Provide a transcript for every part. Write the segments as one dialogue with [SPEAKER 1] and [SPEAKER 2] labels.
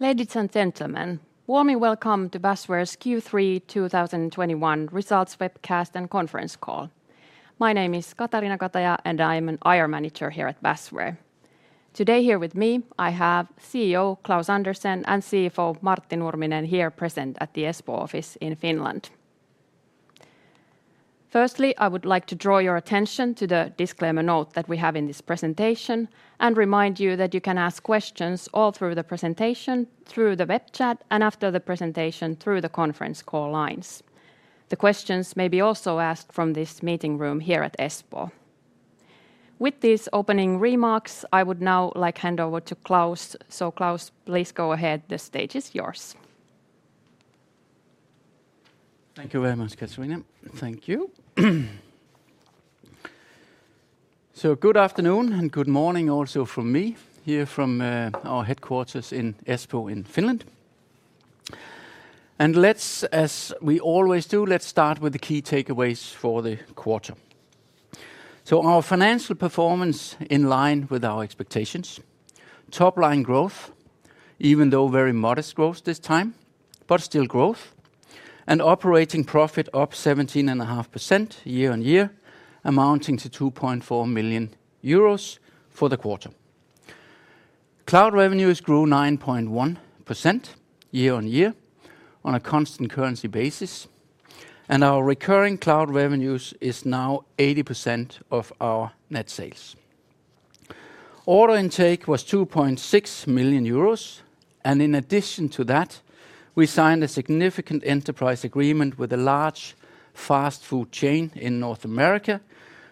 [SPEAKER 1] Ladies and gentlemen, warmly welcome to Basware's Q3 2021 results webcast and conference call. My name is Katariina Kataja, and I'm an IR manager here at Basware. Today here with me, I have CEO Klaus Andersen and CFO Martti Nurminen here present at the Espoo office in Finland. Firstly, I would like to draw your attention to the disclaimer note that we have in this presentation and remind you that you can ask questions all through the presentation, through the web chat, and after the presentation through the conference call lines. The questions may be also asked from this meeting room here at Espoo. With these opening remarks, I would now like hand over to Klaus. Klaus, please go ahead. The stage is yours.
[SPEAKER 2] Thank you very much, Katariina. Thank you. Good afternoon and good morning also from me here from our headquarters in Espoo in Finland. Let's, as we always do, let's start with the key takeaways for the quarter. Our financial performance in line with our expectations. Top line growth, even though very modest growth this time, but still growth, and operating profit up 17.5% year-on-year, amounting to 2.4 million euros for the quarter. Cloud revenues grew 9.1% year-on-year on a constant currency basis. Our recurring cloud revenues is now 80% of our net sales. Order intake was 2.6 million euros, and in addition to that, we signed a significant enterprise agreement with a large fast food chain in North America,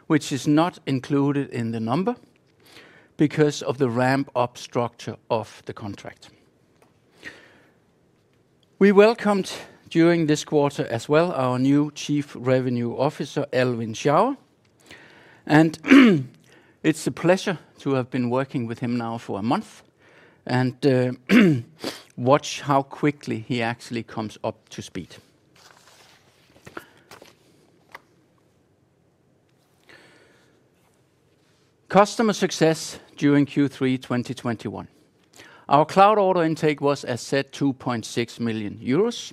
[SPEAKER 2] which is not included in the number because of the ramp-up structure of the contract. We welcomed during this quarter as well our new Chief Revenue Officer, Alwin Schauer. It's a pleasure to have been working with him now for a month and watch how quickly he actually comes up to speed. Customer success during Q3 2021. Our cloud order intake was, as said, 2.6 million euros,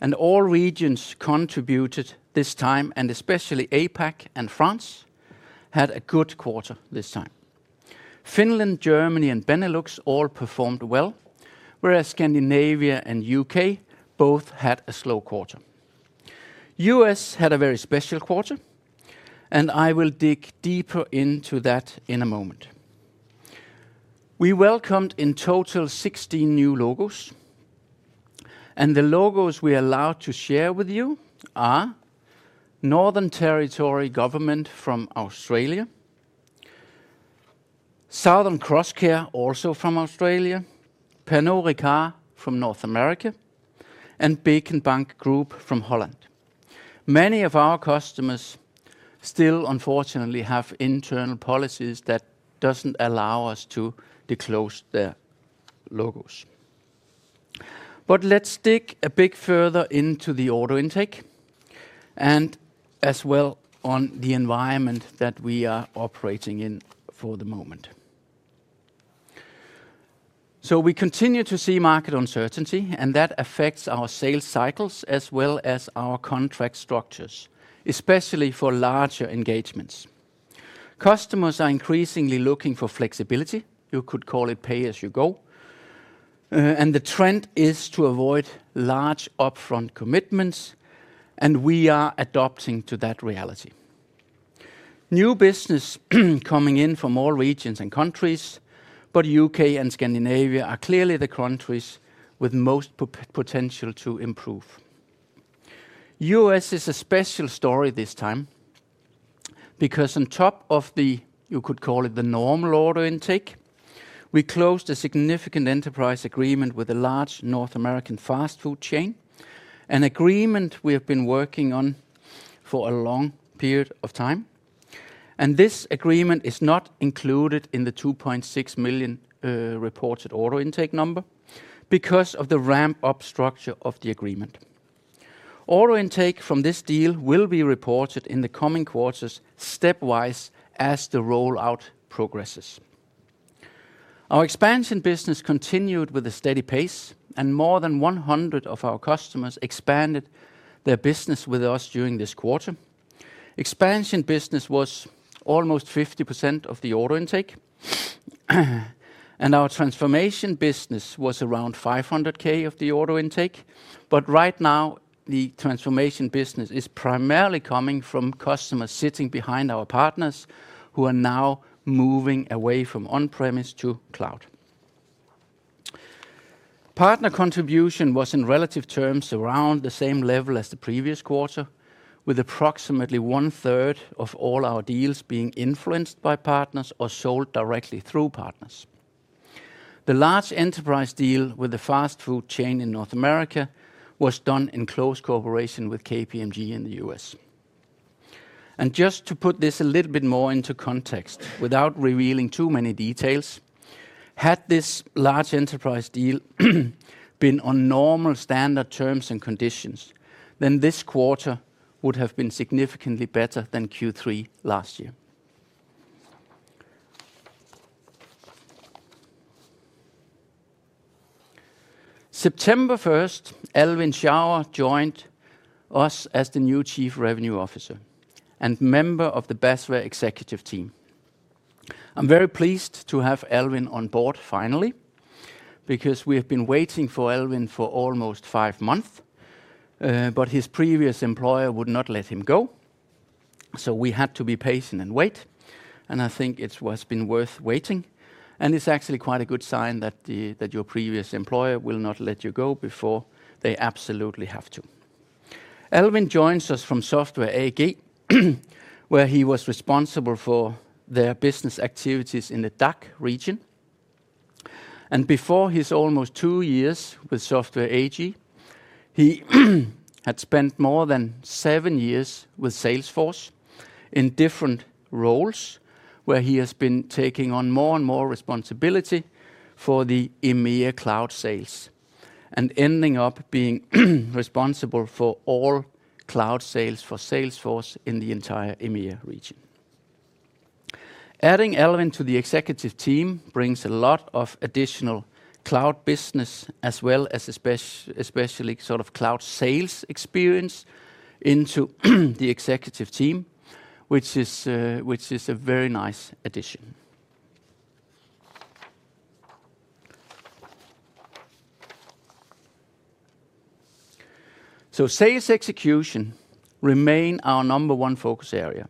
[SPEAKER 2] and all regions contributed this time, and especially APAC and France had a good quarter this time. Finland, Germany, and Benelux all performed well, whereas Scandinavia and U.K. both had a slow quarter. U.S. had a very special quarter, and I will dig deeper into that in a moment. We welcomed in total 16 new logos, and the logos we are allowed to share with you are Northern Territory Government from Australia, Southern Cross Care, also from Australia, Pernod Ricard from North America, and BinckBank Group from Holland. Many of our customers still, unfortunately, have internal policies that doesn't allow us to disclose their logos. Let's dig a bit further into the order intake, and as well on the environment that we are operating in for the moment. We continue to see market uncertainty, and that affects our sales cycles as well as our contract structures, especially for larger engagements. Customers are increasingly looking for flexibility. You could call it pay-as-you-go. The trend is to avoid large upfront commitments, and we are adapting to that reality. New business coming in from all regions and countries, but U.K. and Scandinavia are clearly the countries with most potential to improve. U.S. is a special story this time because on top of the, you could call it the normal order intake, we closed a significant enterprise agreement with a large North American fast food chain, an agreement we have been working on for a long period of time. This agreement is not included in the 2.6 million reported order intake number because of the ramp-up structure of the agreement. Order intake from this deal will be reported in the coming quarters stepwise as the rollout progresses. Our expansion business continued with a steady pace, and more than 100 of our customers expanded their business with us during this quarter. Expansion business was almost 50% of the order intake, and our transformation business was around 500K of the order intake. Right now, the transformation business is primarily coming from customers sitting behind our partners who are now moving away from on-premise to cloud. Partner contribution was, in relative terms, around the same level as the previous quarter, with approximately 1/3 of all our deals being influenced by partners or sold directly through partners. The large enterprise deal with the fast food chain in North America was done in close cooperation with KPMG in the U.S. Just to put this a little bit more into context, without revealing too many details, had this large enterprise deal been on normal standard terms and conditions, then this quarter would have been significantly better than Q3 last year. September 1st, Alwin Schauer joined us as the new Chief Revenue Officer and member of the Basware executive team. I'm very pleased to have Alwin on board finally. We have been waiting for Alwin for almost five months. His previous employer would not let him go. We had to be patient and wait. I think it has been worth waiting. It's actually quite a good sign that your previous employer will not let you go before they absolutely have to. Alwin joins us from Software AG, where he was responsible for their business activities in the DACH region. Before his almost two years with Software AG, he had spent more than seven years with Salesforce in different roles, where he has been taking on more and more responsibility for the EMEA cloud sales and ending up being responsible for all cloud sales for Salesforce in the entire EMEA region. Adding Alwin to the executive team brings a lot of additional cloud business as well as especially cloud sales experience into the executive team which is a very nice addition. Sales execution remain our number 1 focus area.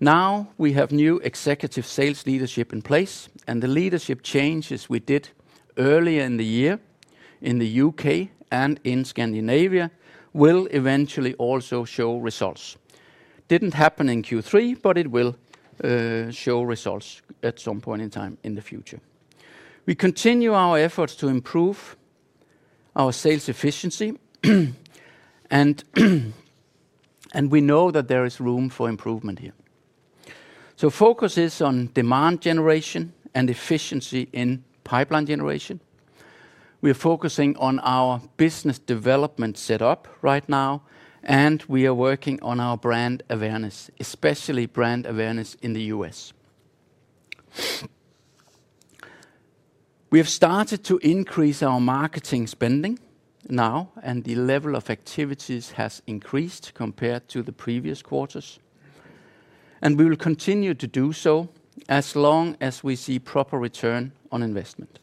[SPEAKER 2] Now we have new executive sales leadership in place, the leadership changes we did earlier in the year in the U.K. and in Scandinavia will eventually also show results. Didn't happen in Q3, it will show results at some point in time in the future. We continue our efforts to improve our sales efficiency, we know that there is room for improvement here. Focus is on demand generation and efficiency in pipeline generation. We are focusing on our business development set up right now, we are working on our brand awareness, especially brand awareness in the U.S. We have started to increase our marketing spending now, and the level of activities has increased compared to the previous quarters. We will continue to do so as long as we see proper return on investment.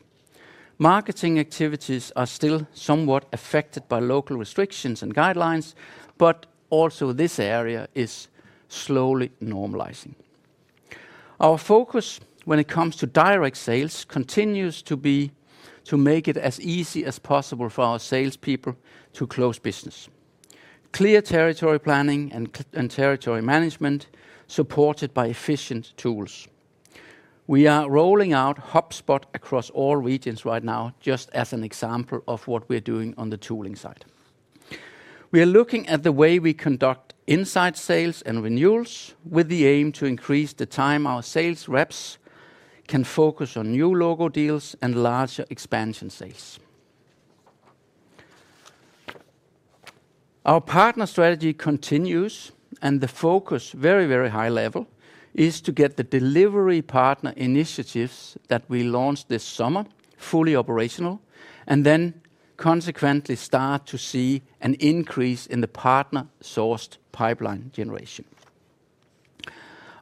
[SPEAKER 2] Marketing activities are still somewhat affected by local restrictions and guidelines, but also this area is slowly normalizing. Our focus when it comes to direct sales continues to be to make it as easy as possible for our salespeople to close business. Clear territory planning and territory management supported by efficient tools. We are rolling out HubSpot across all regions right now just as an example of what we are doing on the tooling side. We are looking at the way we conduct inside sales and renewals with the aim to increase the time our sales reps can focus on new logo deals and larger expansion sales. Our partner strategy continues, and the focus, very high level, is to get the delivery partner initiatives that we launched this summer fully operational, and then consequently start to see an increase in the partner-sourced pipeline generation.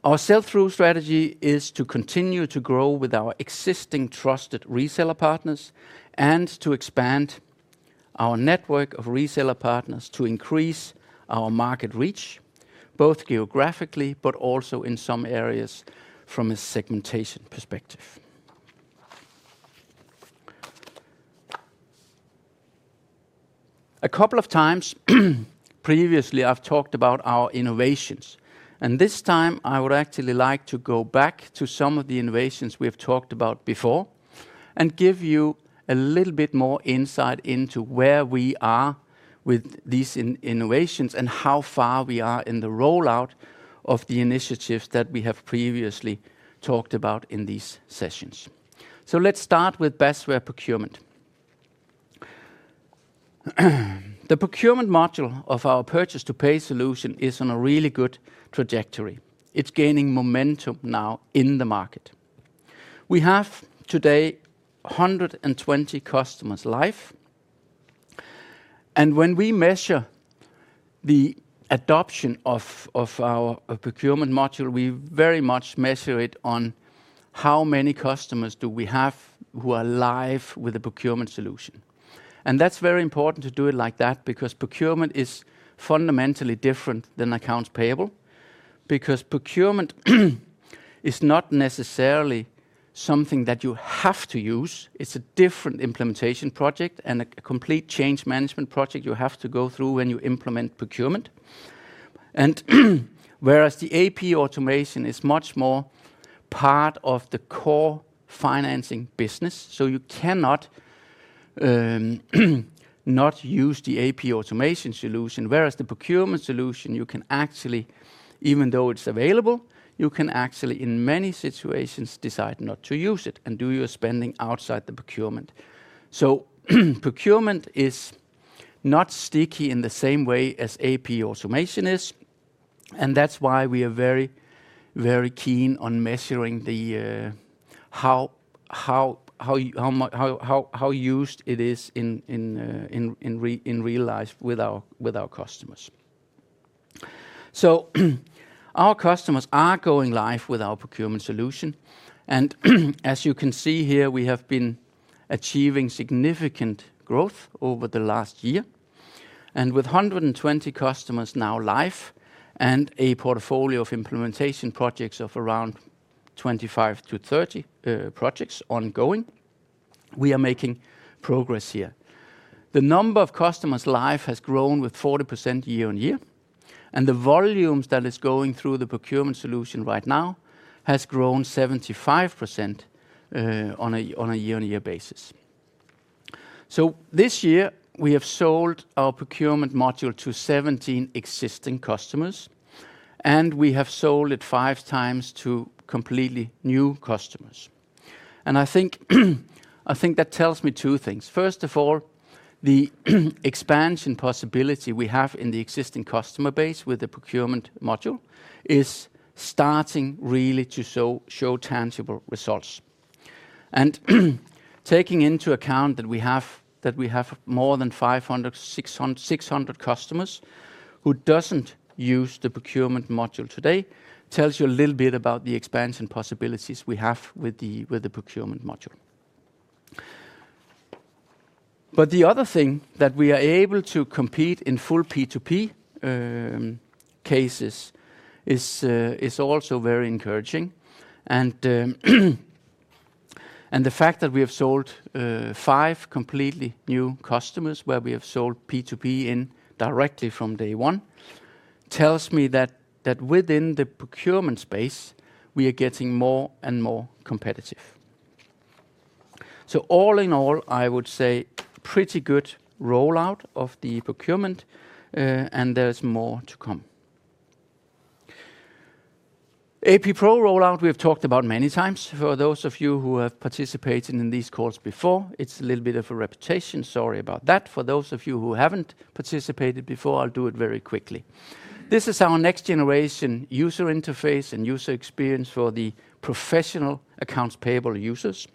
[SPEAKER 2] Our sell-through strategy is to continue to grow with our existing trusted reseller partners and to expand our network of reseller partners to increase our market reach, both geographically but also in some areas from a segmentation perspective. A couple of times previously, I've talked about our innovations, and this time, I would actually like to go back to some of the innovations we've talked about before and give you a little bit more insight into where we are with these innovations and how far we are in the rollout of the initiatives that we have previously talked about in these sessions. Let's start with Basware Procurement. The procurement module of our purchase-to-pay solution is on a really good trajectory. It's gaining momentum now in the market. We have today 120 customers live, and when we measure the adoption of our procurement module, we very much measure it on how many customers do we have who are live with a procurement solution. That's very important to do it like that because procurement is fundamentally different than accounts payable, because procurement is not necessarily something that you have to use. It's a different implementation project and a complete change management project you have to go through when you implement procurement. Whereas the AP automation is much more part of the core financing business, so you cannot not use the AP automation solution. Whereas the procurement solution, even though it's available, you can actually in many situations decide not to use it and do your spending outside the procurement. Procurement is not sticky in the same way as AP automation is, and that's why we are very keen on measuring how used it is in real life with our customers. Our customers are going live with our procurement solution, and as you can see here, we have been achieving significant growth over the last year. With 120 customers now live and a portfolio of implementation projects of around 25-30 projects ongoing, we are making progress here. The number of customers live has grown with 40% year-on-year, the volumes that is going through the procurement solution right now has grown 75% on a year-on-year basis. This year we have sold our procurement module to 17 existing customers, and we have sold it five times to completely new customers. I think that tells me two things. First of all, the expansion possibility we have in the existing customer base with the procurement module is starting really to show tangible results. Taking into account that we have more than 500, 600 customers who doesn't use the procurement module today tells you a little bit about the expansion possibilities we have with the procurement module. The other thing, that we are able to compete in full P2P cases is also very encouraging. The fact that we have sold five completely new customers where we have sold P2P in directly from day one, tells me that within the procurement space, we are getting more and more competitive. All in all, I would say pretty good rollout of the procurement, and there's more to come. AP Pro rollout, we have talked about many times. For those of you who have participated in these calls before, it's a little bit of a repetition, sorry about that. For those of you who haven't participated before, I'll do it very quickly. This is our next-generation user interface and user experience for the professional accounts payable users,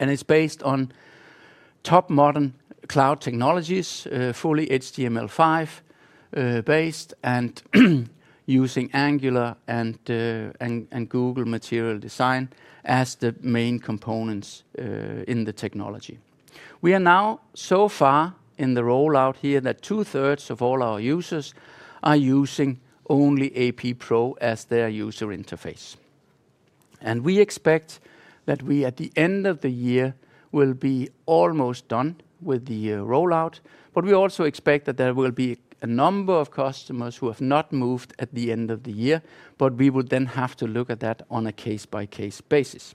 [SPEAKER 2] and it's based on top modern cloud technologies, fully HTML5-based, and using Angular and Google Material Design as the main components in the technology. We are now so far in the rollout here that two-thirds of all our users are using only AP Pro as their user interface. We expect that we, at the end of the year, will be almost done with the rollout. We also expect that there will be a number of customers who have not moved at the end of the year, but we would then have to look at that on a case-by-case basis.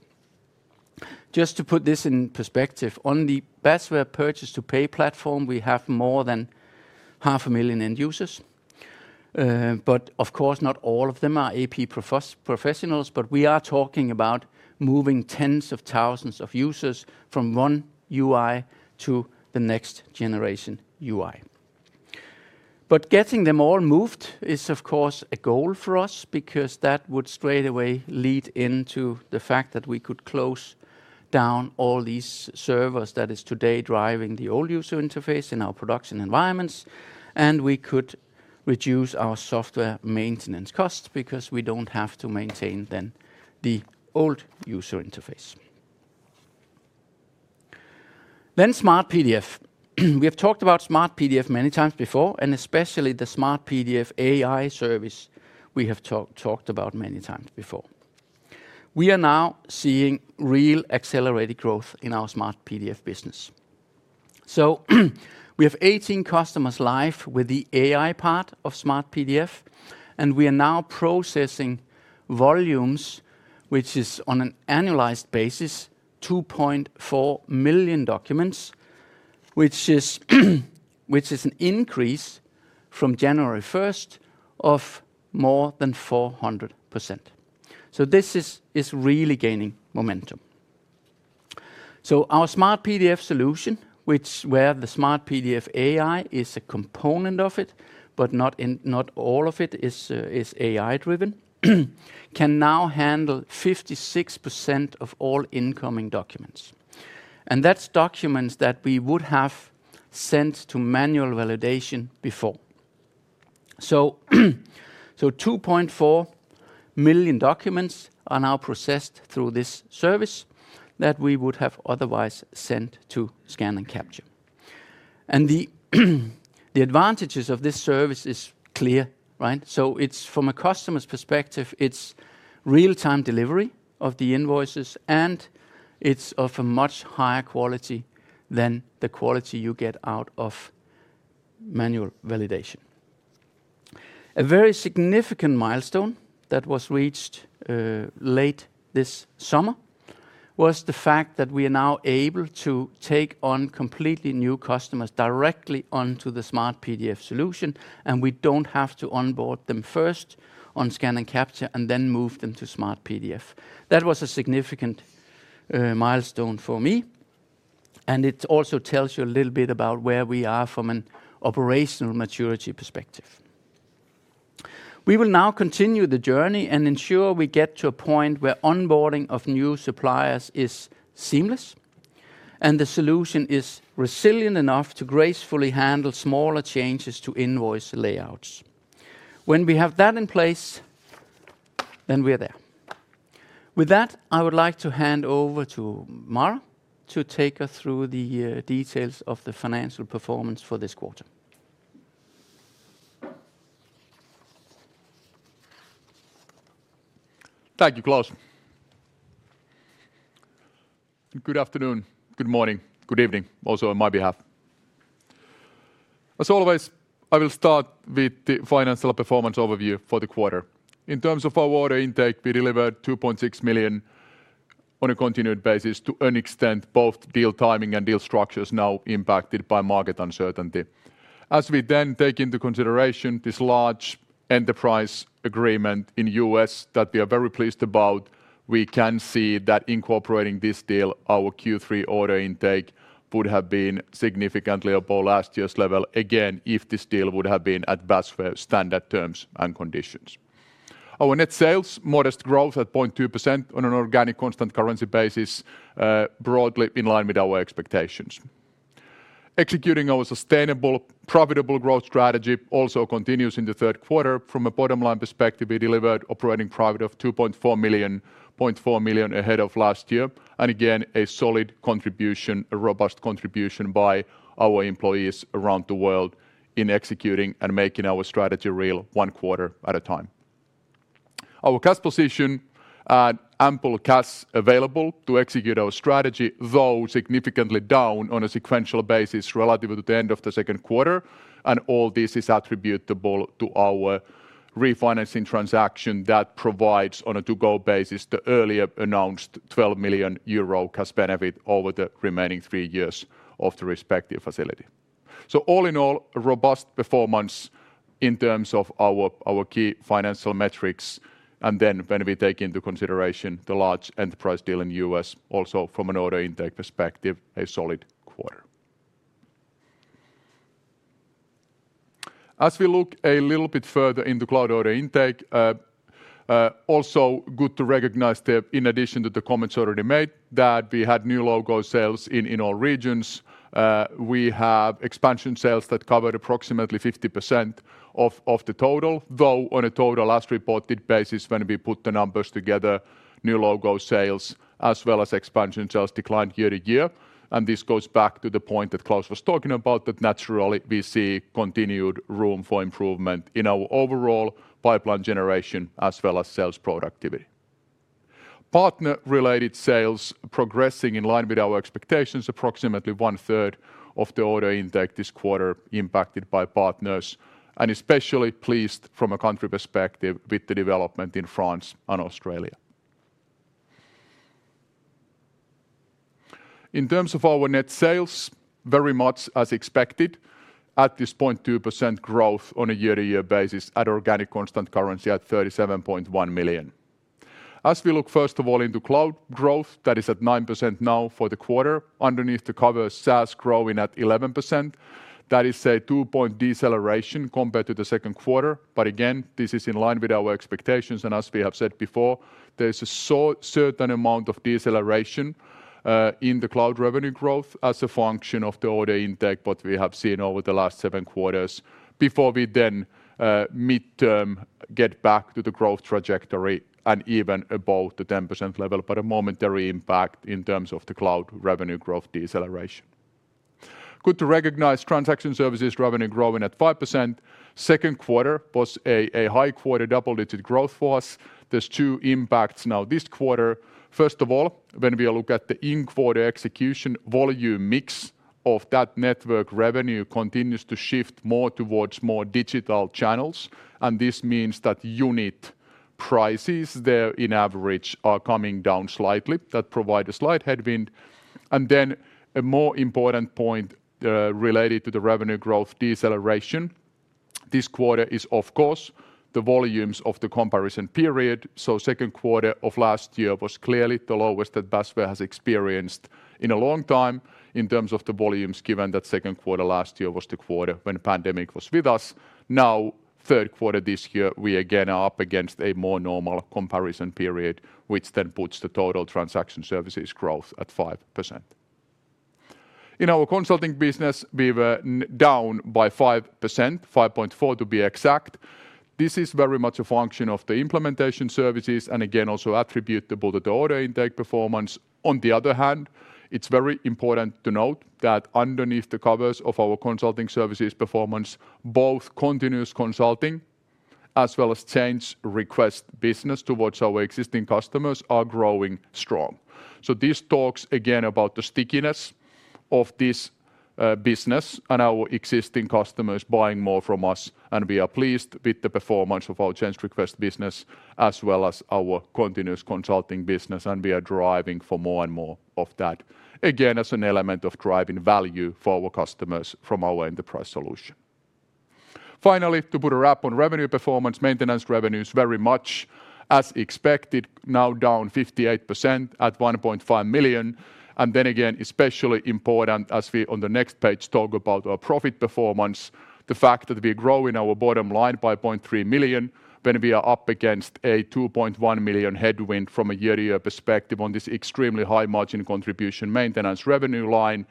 [SPEAKER 2] Just to put this in perspective, on the Basware purchase-to-pay platform, we have more than 500,000 end users. Of course, not all of them are AP professionals, but we are talking about moving tens of thousands of users from one UI to the next-generation UI. Getting them all moved is, of course, a goal for us because that would straight away lead into the fact that we could close down all these servers that is today driving the old user interface in our production environments, and we could reduce our software maintenance costs because we don't have to maintain then the old user interface. SmartPDF. We have talked about Smart PDF many times before, and especially the Smart PDF AI service, we have talked about many times before. We are now seeing real accelerated growth in our Smart PDF business. We have 18 customers live with the AI part of Smart PDF, and we are now processing volumes, which is on an annualized basis, 2.4 million documents, which is an increase from January 1st of more than 400%. This is really gaining momentum. Our Smart PDF solution, where the Smart PDF AI is a component of it, but not all of it is AI-driven, can now handle 56% of all incoming documents. That's documents that we would have sent to manual validation before. 2.4 million documents are now processed through this service that we would have otherwise sent to scan and capture. The advantages of this service is clear. From a customer's perspective, it's real-time delivery of the invoices, and it's of a much higher quality than the quality you get out of manual validation. A very significant milestone that was reached late this summer was the fact that we are now able to take on completely new customers directly onto the SmartPDF solution, and we don't have to onboard them first on scan and capture and then move them to SmartPDF. That was a significant milestone for me, and it also tells you a little bit about where we are from an operational maturity perspective. We will now continue the journey and ensure we get to a point where onboarding of new suppliers is seamless and the solution is resilient enough to gracefully handle smaller changes to invoice layouts. When we have that in place, then we're there. With that, I would like to hand over to Mar to take us through the details of the financial performance for this quarter.
[SPEAKER 3] Thank you, Klaus. Good afternoon, good morning, good evening also on my behalf. Always, I will start with the financial performance overview for the quarter. In terms of our order intake, we delivered 2.6 million on a continued basis to an extent both deal timing and deal structure is now impacted by market uncertainty. We then take into consideration this large enterprise agreement in U.S. that we are very pleased about, we can see that incorporating this deal, our Q3 order intake, would have been significantly above last year's level again if this deal would have been at Basware standard terms and conditions. Our net sales, modest growth at 20% on an organic constant currency basis, broadly in line with our expectations. Executing our sustainable, profitable growth strategy also continues in the Q3. From a bottom-line perspective, we delivered operating profit of 2.4 million ahead of last year. Again, a solid contribution, a robust contribution by our employees around the world in executing and making our strategy real one quarter at a time. Our cash position, ample cash available to execute our strategy, though significantly down on a sequential basis relative to the end of the Q2. All this is attributable to our refinancing transaction that provides, on a to-go basis, the earlier announced 12 million euro cash benefit over the remaining three years of the respective facility. All in all, a robust performance in terms of our key financial metrics, then when we take into consideration the large enterprise deal in U.S., also from an order intake perspective, a solid quarter. As we look a little bit further into cloud order intake, also good to recognize that in addition to the comments already made, that we had new logo sales in all regions. We have expansion sales that covered approximately 50% of the total, though on a total as-reported basis, when we put the numbers together, new logo sales as well as expansion sales declined year-over-year. This goes back to the point that Klaus was talking about, that naturally we see continued room for improvement in our overall pipeline generation as well as sales productivity. Partner-related sales progressing in line with our expectations, approximately 1/3 of the order intake this quarter impacted by partners. Especially pleased from a country perspective with the development in France and Australia. In terms of our net sales, very much as expected at this point, 2% growth on a year-to-year basis at organic constant currency at 37.1 million. As we look first of all into cloud growth, that is at 9% now for the quarter. Underneath the cover, SaaS growing at 11%. That is a two-point deceleration compared to the Q2. Again, this is in line with our expectations, and as we have said before, there's a certain amount of deceleration in the cloud revenue growth as a function of the order intake that we have seen over the last seven quarters before we then midterm get back to the growth trajectory and even above the 10% level. A momentary impact in terms of the cloud revenue growth deceleration. Good to recognize transaction services revenue growing at 5%. Q2 was a high quarter, double-digit growth for us. There's 2 impacts now this quarter. First of all, when we look at the in-quarter execution volume mix of that Network revenue continues to shift more towards more digital channels. This means that unit prices there in average are coming down slightly that provide a slight headwind. A more important point, related to the revenue growth deceleration this quarter is, of course, the volumes of the comparison period. Q2 of last year was clearly the lowest that Basware has experienced in a long time in terms of the volumes, given that Q2 last year was the quarter when pandemic was with us. Now, Q3 this year, we again are up against a more normal comparison period, which then puts the total transaction services growth at 5%. In our consulting business, we were down by 5%, 5.4% to be exact. This is very much a function of the implementation services and again, also attributable to the order intake performance. On the other hand, it's very important to note that underneath the covers of our consulting services performance, both continuous consulting as well as change request business towards our existing customers are growing strong. This talks again about the stickiness of this business and our existing customers buying more from us, and we are pleased with the performance of our change request business as well as our continuous consulting business, and we are driving for more and more of that. Again, as an element of driving value for our customers from our enterprise solution. Finally, to put a wrap on revenue performance, maintenance revenue is very much as expected, now down 58% at 1.5 million. Again, especially important as we, on the next page, talk about our profit performance, the fact that we are growing our bottom line by 0.3 million when we are up against a 2.1 million headwind from a year-to-year perspective on this extremely high margin contribution maintenance revenue line.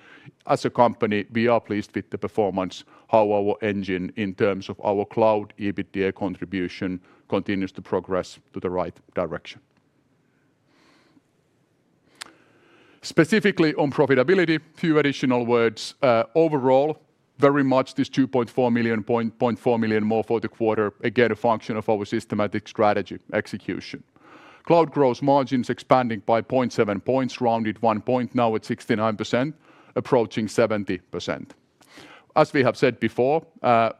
[SPEAKER 3] As a company, we are pleased with the performance, how our engine in terms of our cloud EBITDA contribution continues to progress to the right direction. Specifically on profitability, few additional words. Overall, very much this 2.4 million, 0.4 million more for the quarter, again, a function of our systematic strategy execution. Cloud gross margins expanding by 0.7 points, rounded one point, now at 69%, approaching 70%. As we have said before,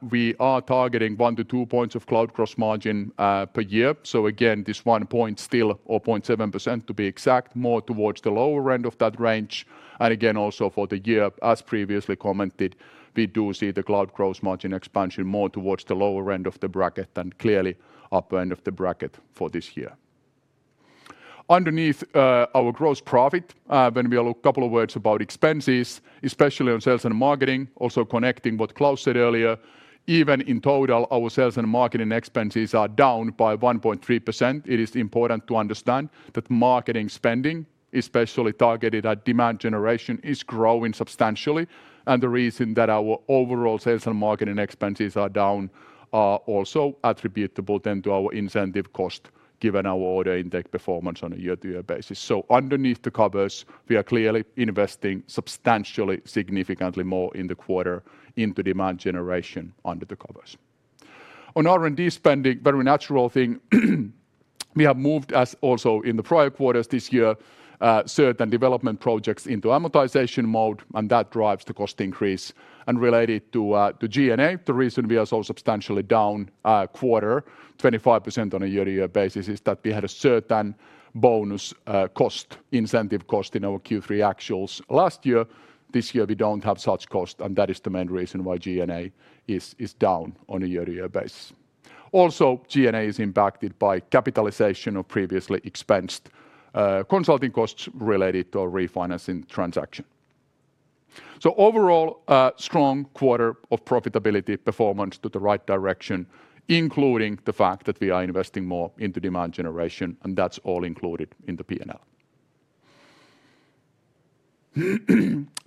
[SPEAKER 3] we are targeting one to two points of cloud gross margin per year. Again, this one point still, or 0.7% to be exact, more towards the lower end of that range. Again, also for the year, as previously commented, we do see the cloud gross margin expansion more towards the lower end of the bracket than clearly upper end of the bracket for this year. Underneath our gross profit, when we look couple of words about expenses, especially on sales and marketing, also connecting what Klaus Andersen said earlier, even in total, our sales and marketing expenses are down by 1.3%. It is important to understand that marketing spending, especially targeted at demand generation, is growing substantially. The reason that our overall sales and marketing expenses are down are also attributable then to our incentive cost, given our order intake performance on a year-over-year basis. Underneath the covers, we are clearly investing substantially, significantly more in the quarter into demand generation under the covers. On R&D spending, very natural thing we have moved as also in the prior quarters this year, certain development projects into amortization mode, and that drives the cost increase. Related to G&A, the reason we are so substantially down our quarter 25% on a year-over-year basis is that we had a certain bonus cost, incentive cost in our Q3 actuals last year. This year we don't have such cost, that is the main reason why G&A is down on a year-over-year basis. Also, G&A is impacted by capitalization of previously expensed consulting costs related to our refinancing transaction. Overall, strong quarter of profitability performance to the right direction, including the fact that we are investing more into demand generation, and that's all included in the P&L.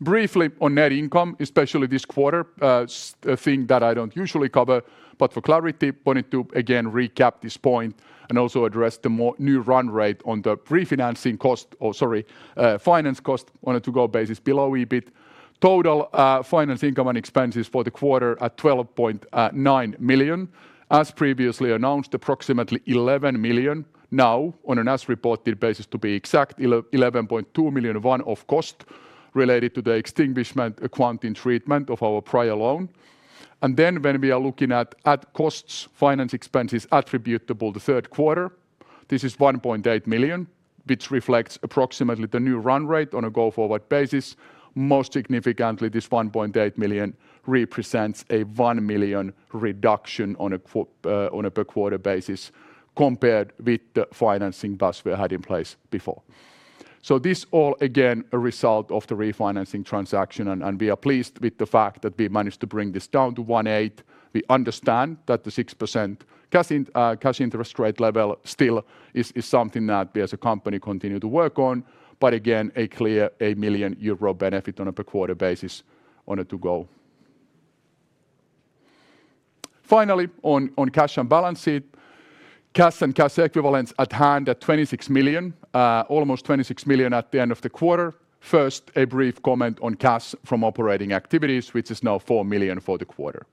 [SPEAKER 3] Briefly on net income, especially this quarter, a thing that I don't usually cover, but for clarity, wanted to again recap this point and also address the more new run rate on the refinancing cost or sorry, finance cost on a to-go basis below EBIT. Total finance income and expenses for the quarter at 12.9 million. As previously announced, approximately 11 million now on an as-reported basis to be exact, 11.2 million one of cost related to the extinguishment accounting treatment of our prior loan. When we are looking at costs, finance expenses attributable to Q3, this is 1.8 million, which reflects approximately the new run rate on a go-forward basis. Most significantly, this 1.8 million represents a 1 million reduction on a per quarter basis compared with the financing Basware had in place before. This all again, a result of the refinancing transaction, and we are pleased with the fact that we managed to bring this down to 1.8. We understand that the 6% cash interest rate level still is something that we as a company continue to work on. Again, a clear 1 million euro benefit on a per quarter basis on a to-go. Finally, on cash and balance sheet. Cash and cash equivalents at hand at 26 million, almost 26 million at the end of the quarter. First, a brief comment on cash from operating activities, which is now 4 million for the quarter.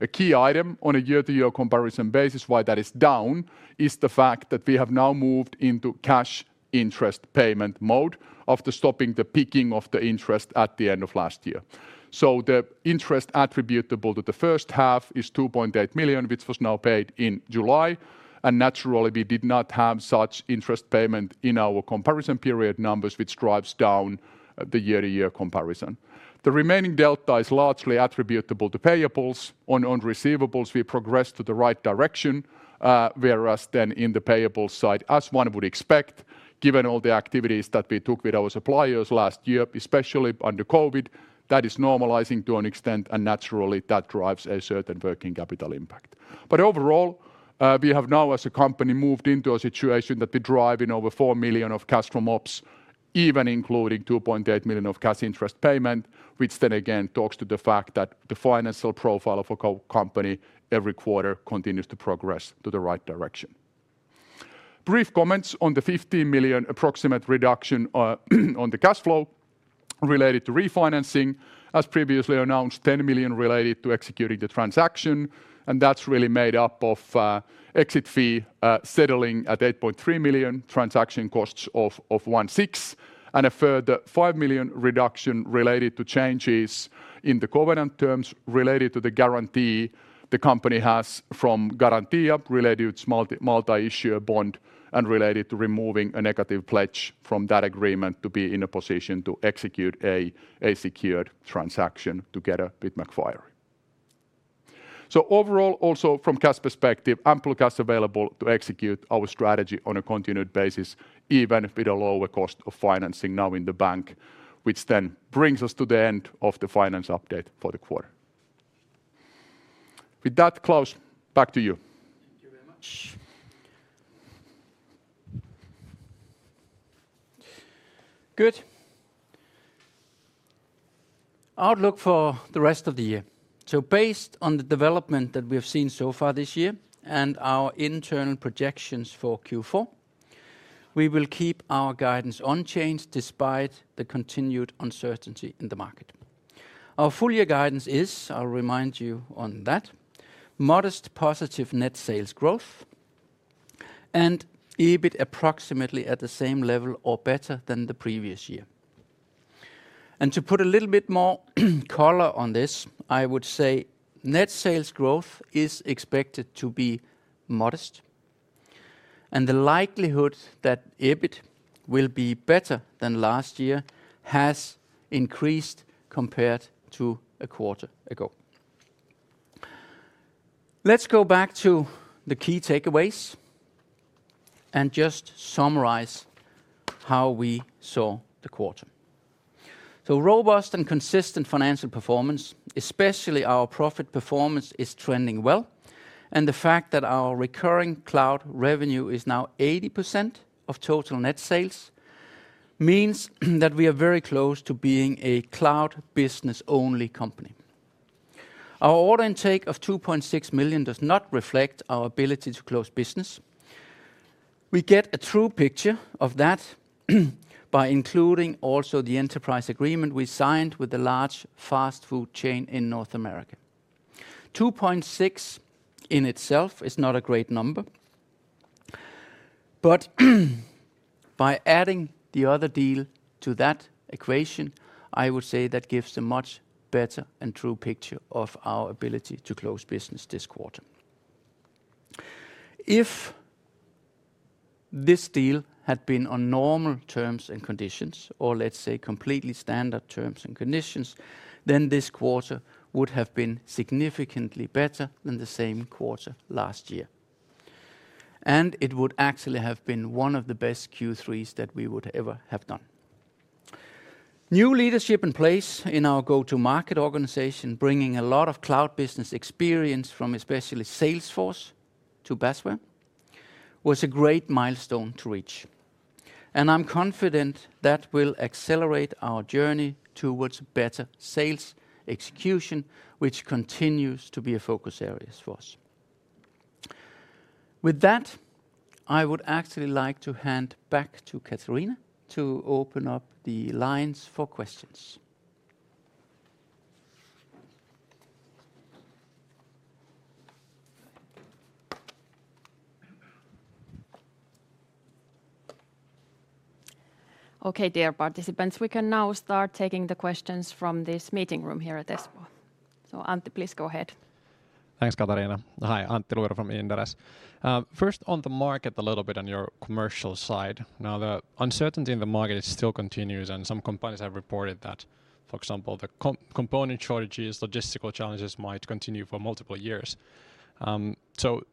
[SPEAKER 3] A key item on a year-to-year comparison basis why that is down, is the fact that we have now moved into cash interest payment mode after stopping the peaking of the interest at the end of last year. The interest attributable to the H1 is 2.8 million, which was now paid in July. Naturally, we did not have such interest payment in our comparison period numbers, which drives down the year-over-year comparison. The remaining delta is largely attributable to payables. On receivables, we progress to the right direction, whereas in the payable side, as one would expect, given all the activities that we took with our suppliers last year, especially under COVID, that is normalizing to an extent. Naturally, that drives a certain working capital impact. Overall, we have now as a company moved into a situation that we drive in over 4 million of cash from ops, even including 2.8 million of cash interest payment, which again talks to the fact that the financial profile of a company every quarter continues to progress to the right direction. Brief comments on the 15 million approximate reduction on the cash flow related to refinancing. As previously announced, 10 million related to executing the transaction, and that's really made up of exit fee settling at 8.3 million transaction costs of 1.6 million and a further 5 million reduction related to changes in the covenant terms related to the guarantee the company has from Garantia related to its multi-issuer bond and related to removing a negative pledge from that agreement to be in a position to execute a secured transaction together with Macquarie. Overall, also from cash perspective, ample cash available to execute our strategy on a continued basis, even with a lower cost of financing now in the bank, which then brings us to the end of the finance update for the quarter. With that, Klaus, back to you.
[SPEAKER 2] Thank you very much. Good. Outlook for the rest of the year. Based on the development that we have seen so far this year and our internal projections for Q4, we will keep our guidance unchanged despite the continued uncertainty in the market. Our full year guidance is, I'll remind you on that, modest, positive net sales growth and EBIT approximately at the same level or better than the previous year. To put a little bit more color on this, I would say net sales growth is expected to be modest, and the likelihood that EBIT will be better than last year has increased compared to a quarter ago. Let's go back to the key takeaways and just summarize how we saw the quarter. Robust and consistent financial performance, especially our profit performance, is trending well, and the fact that our recurring cloud revenue is now 80% of total net sales means that we are very close to being a cloud business-only company. Our order intake of 2.6 million does not reflect our ability to close business. We get a true picture of that by including also the enterprise agreement we signed with the large fast food chain in North America. 2.6 million in itself is not a great number, by adding the other deal to that equation, I would say that gives a much better and true picture of our ability to close business this quarter. If this deal had been on normal terms and conditions, or let's say completely standard terms and conditions, then this quarter would have been significantly better than the same quarter last year, and it would actually have been one of the best Q3s that we would ever have done. New leadership in place in our go-to-market organization, bringing a lot of cloud business experience from especially Salesforce to Basware, was a great milestone to reach. I'm confident that will accelerate our journey towards better sales execution, which continues to be a focus area for us. With that, I would actually like to hand back to Katariina to open up the lines for questions.
[SPEAKER 1] Okay, dear participants, we can now start taking the questions from this meeting room here at Espoo. Antti, please go ahead.
[SPEAKER 4] Thanks, Katariina. Hi, Antti Luiro from Inderes. On the market, a little bit on your commercial side. The uncertainty in the market, it still continues, and some companies have reported that, for example, the component shortages, logistical challenges might continue for multiple years.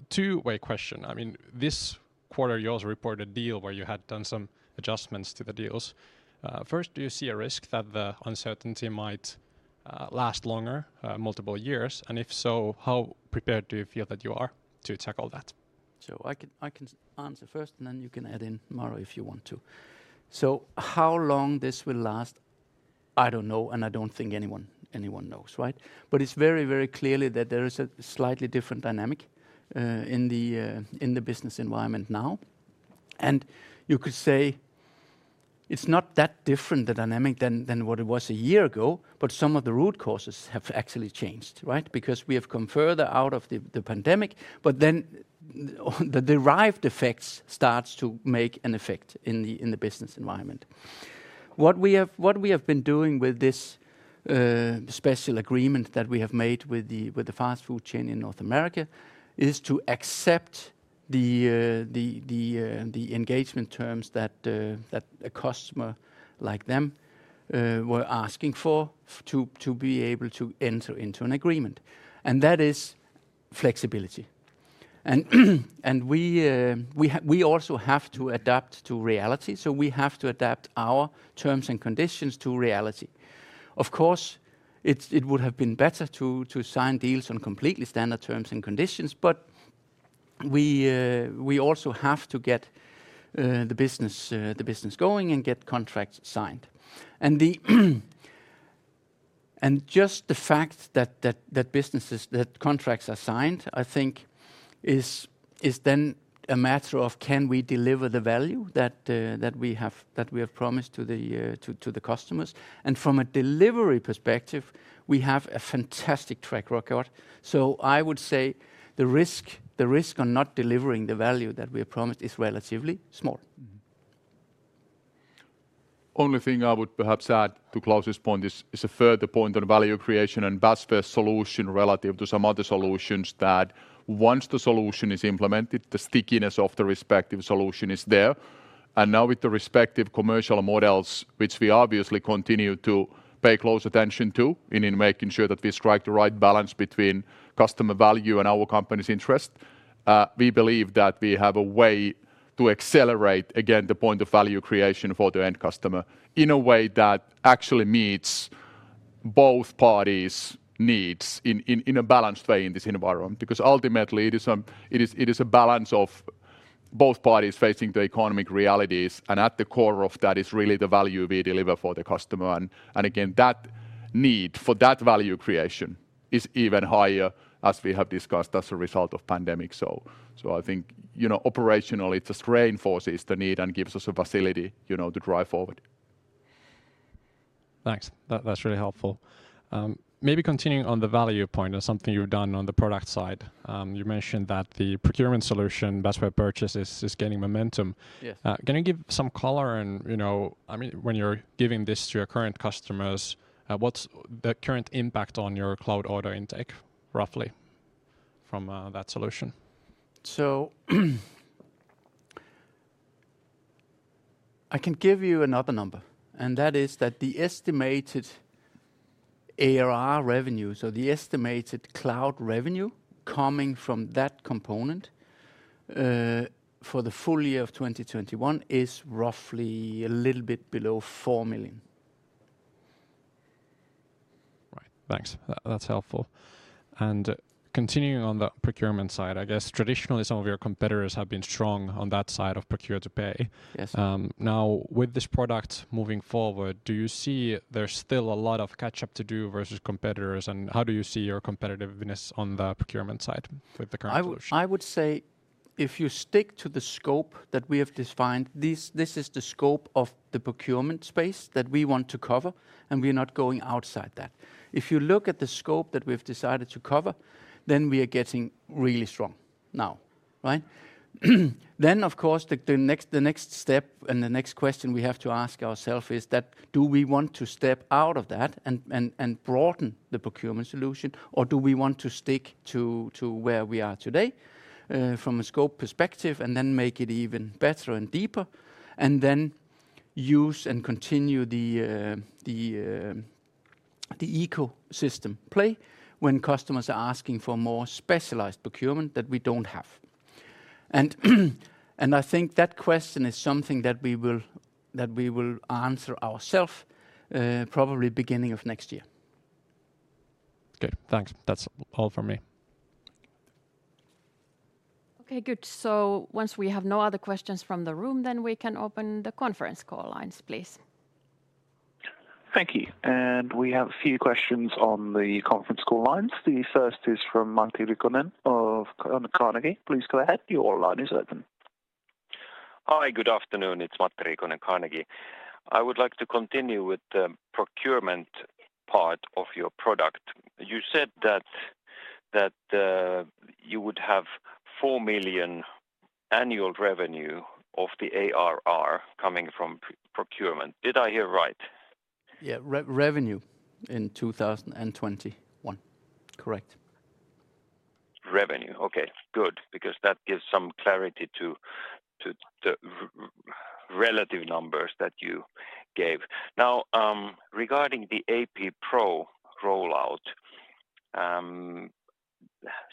[SPEAKER 4] Two-way question. This quarter you also reported a deal where you had done some adjustments to the deals. Do you see a risk that the uncertainty might last longer, multiple years? If so, how prepared do you feel that you are to tackle that?
[SPEAKER 2] I can answer first, and then you can add in, Maro, if you want to. How long this will last, I don't know, and I don't think anyone knows, right? It's very, very clearly that there is a slightly different dynamic in the business environment now. You could say it's not that different a dynamic than what it was a year ago. Some of the root causes have actually changed, right? Because we have come further out of the pandemic, then the derived effects starts to make an effect in the business environment. What we have been doing with this special agreement that we have made with the fast food chain in North America is to accept the engagement terms that a customer like them were asking for to be able to enter into an agreement. That is flexibility. We also have to adapt to reality, so we have to adapt our terms and conditions to reality. Of course, it would have been better to sign deals on completely standard terms and conditions, but we also have to get the business going and get contracts signed. Just the fact that contracts are signed, I think is then a matter of can we deliver the value that we have promised to the customers? From a delivery perspective, we have a fantastic track record. I would say the risk on not delivering the value that we have promised is relatively small.
[SPEAKER 3] Only thing I would perhaps add to Klaus' point is a further point on value creation and Basware solution relative to some other solutions that once the solution is implemented, the stickiness of the respective solution is there. Now with the respective commercial models, which we obviously continue to pay close attention to in making sure that we strike the right balance between customer value and our company's interest. We believe that we have a way to accelerate, again, the point of value creation for the end customer in a way that actually meets both parties' needs in a balanced way in this environment. Ultimately, it is a balance of both parties facing the economic realities, and at the core of that is really the value we deliver for the customer. Again, that need for that value creation is even higher, as we have discussed, as a result of pandemic. I think operationally, it just reinforces the need and gives us a facility to drive forward.
[SPEAKER 4] Thanks. That's really helpful. Maybe continuing on the value point and something you've done on the product side. You mentioned that the procurement solution, Basware Purchases, is gaining momentum.
[SPEAKER 2] Yes.
[SPEAKER 4] Can you give some color on, when you're giving this to your current customers, what's the current impact on your cloud order intake, roughly from that solution?
[SPEAKER 2] I can give you another number, and that is that the estimated ARR revenue, so the estimated cloud revenue coming from that component, for the full year of 2021 is roughly a little bit below 4 million.
[SPEAKER 4] Right. Thanks. That's helpful. Continuing on the procurement side, I guess traditionally some of your competitors have been strong on that side of purchase-to-pay.
[SPEAKER 2] Yes.
[SPEAKER 4] With this product moving forward, do you see there's still a lot of catch up to do versus competitors, and how do you see your competitiveness on the procurement side with the current solution?
[SPEAKER 2] I would say if you stick to the scope that we have defined, this is the scope of the procurement space that we want to cover, and we're not going outside that. If you look at the scope that we've decided to cover, then we are getting really strong now, right? Of course, the next step and the next question we have to ask ourself is that do we want to step out of that and broaden the procurement solution, or do we want to stick to where we are today from a scope perspective, and then make it even better and deeper, and then use and continue the ecosystem play when customers are asking for more specialized procurement that we don't have? I think that question is something that we will answer ourself probably beginning of next year.
[SPEAKER 4] Okay, thanks. That's all from me.
[SPEAKER 1] Okay, good. Once we have no other questions from the room, then we can open the conference call lines, please.
[SPEAKER 5] Thank you. We have a few questions on the conference call lines. The first is from Matti Riikonen of Carnegie. Please go ahead. Your line is open.
[SPEAKER 6] Hi, good afternoon. It's Matti Riikonen, Carnegie. I would like to continue with the procurement part of your product. You said that you would have 4 million annual revenue of the ARR coming from procurement. Did I hear right?
[SPEAKER 2] Yeah. Revenue in 2021. Correct.
[SPEAKER 6] Revenue. Okay, good. Because that gives some clarity to the relative numbers that you gave. Now, regarding the AP Pro rollout,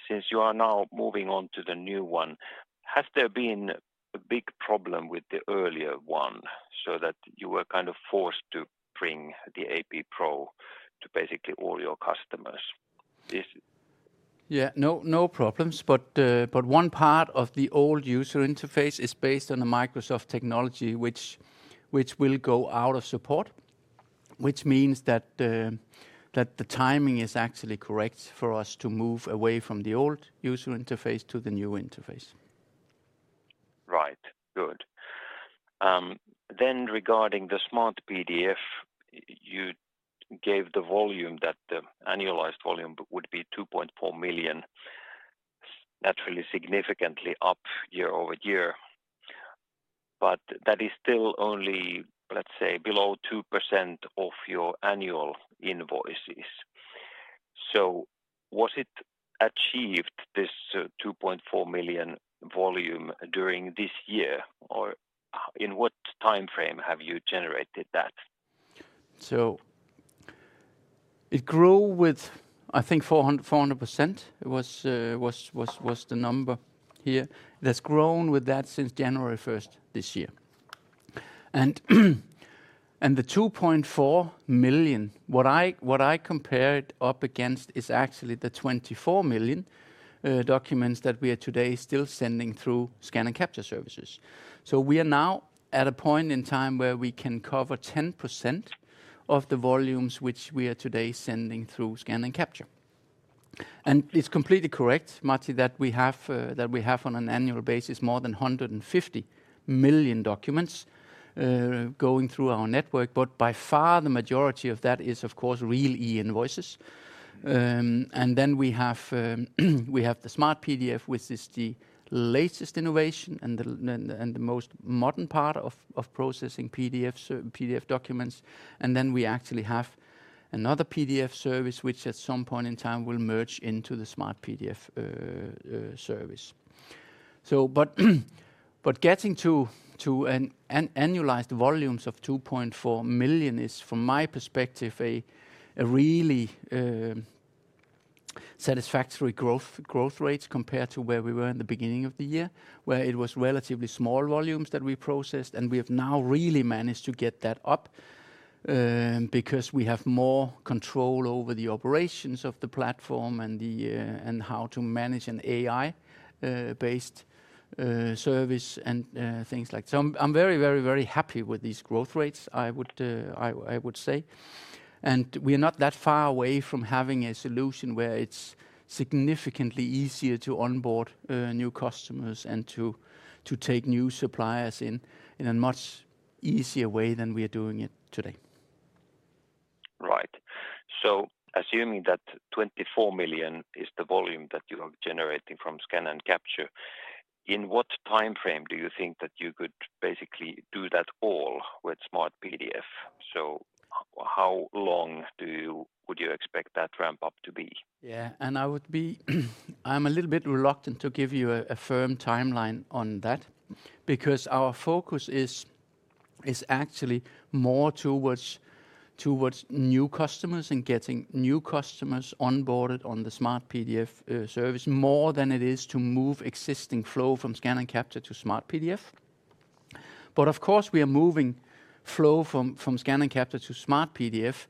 [SPEAKER 6] since you are now moving on to the new one, has there been a big problem with the earlier one so that you were kind of forced to bring the AP Pro to basically all your customers?
[SPEAKER 2] Yeah. No problems. One part of the old user interface is based on a Microsoft technology which will go out of support, which means that the timing is actually correct for us to move away from the old user interface to the new interface.
[SPEAKER 6] Right. Good. Regarding the Basware SmartPDF, you gave the volume that the annualized volume would be 2.4 million, naturally significantly up year-over-year. That is still only, let's say, below 2% of your annual invoices. Was it achieved, this 2.4 million volume, during this year, or in what timeframe have you generated that?
[SPEAKER 2] It grew with, I think 400% was the number here. It has grown with that since January 1st, this year. The 2.4 million, what I compare it up against is actually the 24 million documents that we are today still sending through scan and capture services. We are now at a point in time where we can cover 10% of the volumes which we are today sending through scan and capture. It's completely correct, Matti, that we have on an annual basis more than 150 million documents going through our network, but by far the majority of that is, of course, real e-invoices. Then we have the Basware SmartPDF, which is the latest innovation and the most modern part of processing PDF documents. We actually have another PDF service which at some point in time will merge into the Basware SmartPDF service. Getting to an annualized volumes of 2.4 million is, from my perspective, a really satisfactory growth rates compared to where we were in the beginning of the year, where it was relatively small volumes that we processed, and we have now really managed to get that up, because we have more control over the operations of the platform and how to manage an AI-based service and things like. I'm very happy with these growth rates, I would say. We are not that far away from having a solution where it's significantly easier to onboard new customers and to take new suppliers in a much easier way than we are doing it today.
[SPEAKER 6] Right. Assuming that 24 million is the volume that you are generating from scan and capture, in what timeframe do you think that you could basically do that all with Basware SmartPDF? How long would you expect that ramp-up to be?
[SPEAKER 2] Yeah. I'm a little bit reluctant to give you a firm timeline on that, because our focus is actually more towards new customers and getting new customers onboarded on the Basware SmartPDF service, more than it is to move existing flow from scan and capture to Basware SmartPDF. Of course, we are moving flow from scan and capture to Basware SmartPDF,